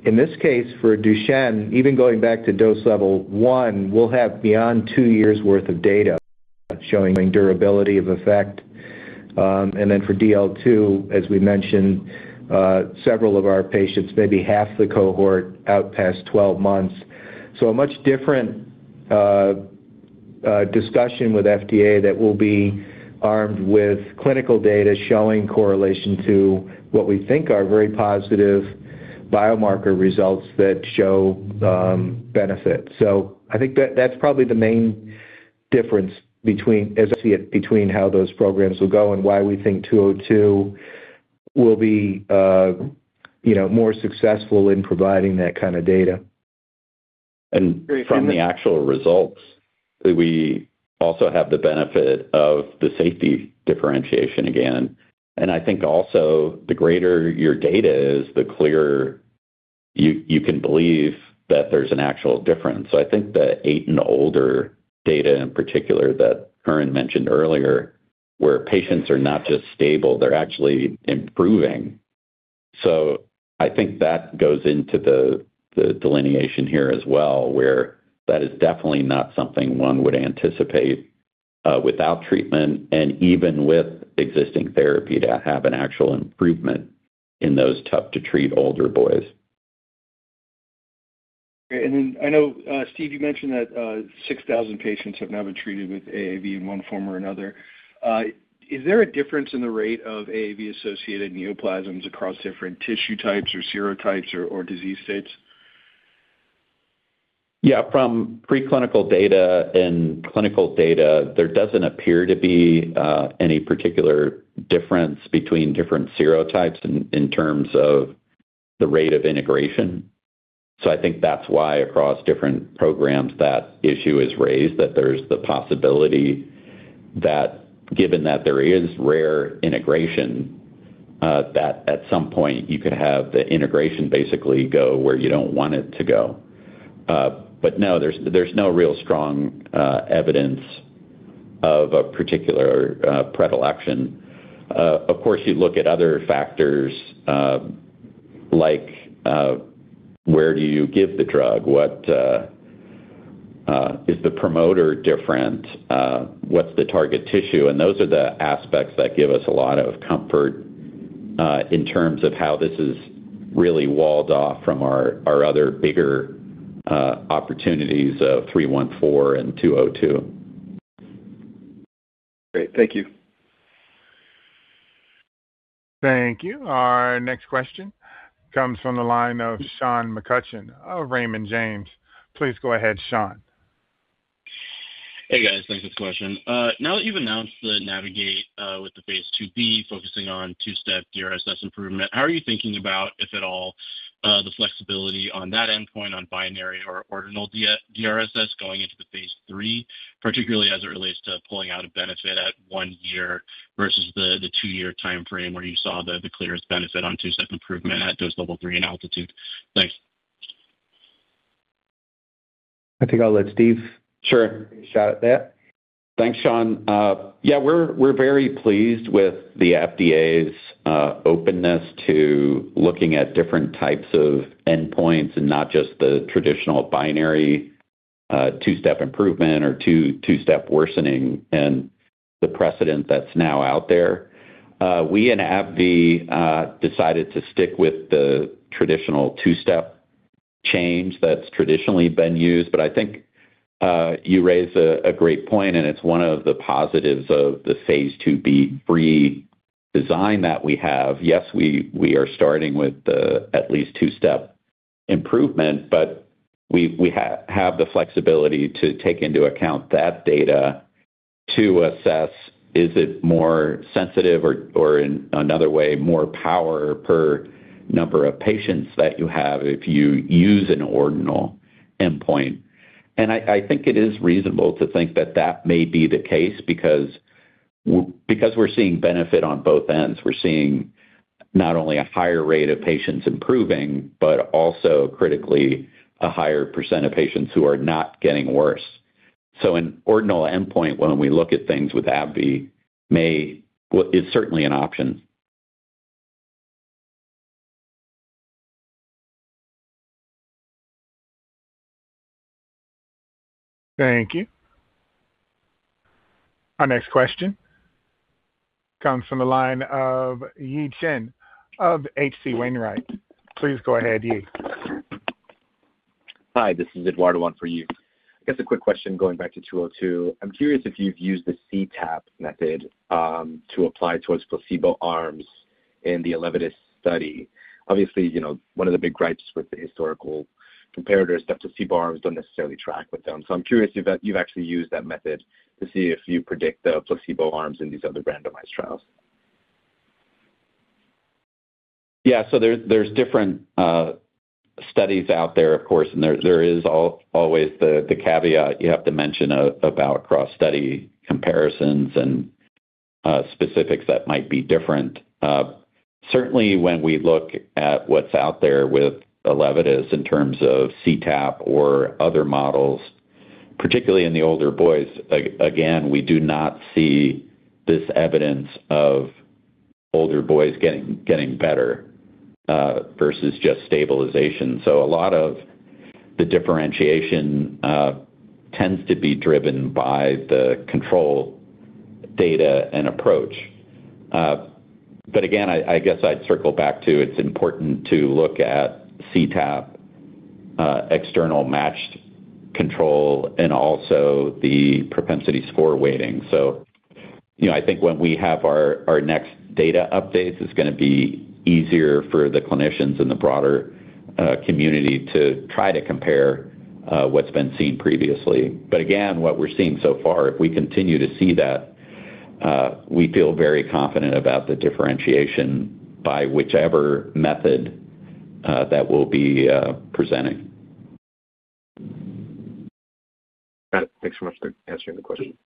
C: In this case, for Duchenne, even going back to Dose Level 1, we'll have beyond 2 years worth of data showing durability of effect. For DL2, as we mentioned, several of our patients, maybe half the cohort out past 12 months. A much different discussion with FDA that we'll be armed with clinical data showing correlation to what we think are very positive biomarker results that show benefit. I think that's probably the main difference between, as I see it, between how those programs will go and why we think RGX-202 will be, you know, more successful in providing that kind of data.
D: From the actual results, we also have the benefit of the safety differentiation again. I think also the greater your data is, the clearer you can believe that there's an actual difference. I think the eight and older data in particular that Curran mentioned earlier, where patients are not just stable, they're actually improving. I think that goes into the delineation here as well, where that is definitely not something one would anticipate without treatment and even with existing therapy to have an actual improvement in those tough to treat older boys.
O: I know, Steve, you mentioned that 6,000 patients have now been treated with AAV in one form or another. Is there a difference in the rate of AAV-associated neoplasms across different tissue types or serotypes or disease states?
D: From preclinical data and clinical data, there doesn't appear to be any particular difference between different serotypes in terms of the rate of integration. I think that's why across different programs, that issue is raised, that there's the possibility that given that there is rare integration, that at some point you could have the integration basically go where you don't want it to go. No, there's no real strong evidence of a particular predilection. Of course, you look at other factors, like where do you give the drug? What is the promoter different? What's the target tissue? Those are the aspects that give us a lot of comfort in terms of how this is really walled off from our other bigger opportunities of 314 and 202.
O: Great. Thank you.
A: Thank you. Our next question comes from the line of Sean McCutcheon of Raymond James. Please go ahead, Sean.
P: Hey, guys. Thanks for the question. Now that you've announced the NAVIGATE, with the Phase IIb, focusing on 2-step DRSS improvement, how are you thinking about, if at all, the flexibility on that endpoint on binary or ordinal D-DRSS going into the Phase III, particularly as it relates to pulling out a benefit at 1 year versus the 2-year timeframe where you saw the clearest benefit on 2-step improvement at Dose Level 3 in ALTITUDE? Thanks.
C: I think I'll let Steve-
D: Sure.
C: Take a shot at that.
D: Thanks, Sean. Yeah, we're very pleased with the FDA's openness to looking at different types of endpoints and not just the traditional binary, 2-step improvement or 2-step worsening and the precedent that's now out there. We and AbbVie decided to stick with the traditional 2-step change that's traditionally been used. I think you raise a great point, and it's one of the positives of the phase 2 B free design that we have. Yes, we are starting with the at least 2-step improvement, but we have the flexibility to take into account that data to assess is it more sensitive or in another way, more power per number of patients that you have if you use an ordinal endpoint. I think it is reasonable to think that that may be the case because we're seeing benefit on both ends. We're seeing not only a higher rate of patients improving, but also critically a higher % of patients who are not getting worse. An ordinal endpoint, when we look at things with AbbVie, may. Well, it's certainly an option.
A: Thank you. Our next question comes from the line of Yi Chen of H.C. Wainwright & Co. Please go ahead, Yi.
Q: Hi, this is Eduardo on for Yi. I guess a quick question going back to 202. I'm curious if you've used the CTAP method to apply towards placebo arms in the Elevidys study. Obviously, you know, one of the big gripes with the historical comparators that placebo arms don't necessarily track with them. I'm curious if you've actually used that method to see if you predict the placebo arms in these other randomized trials.
D: Yeah. There's different studies out there, of course, and there is always the caveat you have to mention about cross-study comparisons and specifics that might be different. Certainly when we look at what's out there with Elevidys in terms of CTAP or other models, particularly in the older boys, again, we do not see this evidence of older boys getting better versus just stabilization. A lot of the differentiation tends to be driven by the control data and approach. But again, I guess I'd circle back to it's important to look at CTAP, external matched control and also the propensity score weighting. You know, I think when we have our next data updates, it's gonna be easier for the clinicians in the broader community to try to compare what's been seen previously. Again, what we're seeing so far, if we continue to see that, we feel very confident about the differentiation by whichever method that we'll be presenting.
Q: Got it. Thanks so much for answering the question.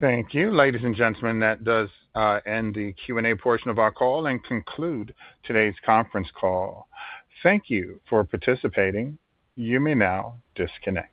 A: Thank you. Ladies and gentlemen, that does end the Q&A portion of our call and conclude today's conference call. Thank you for participating. You may now disconnect.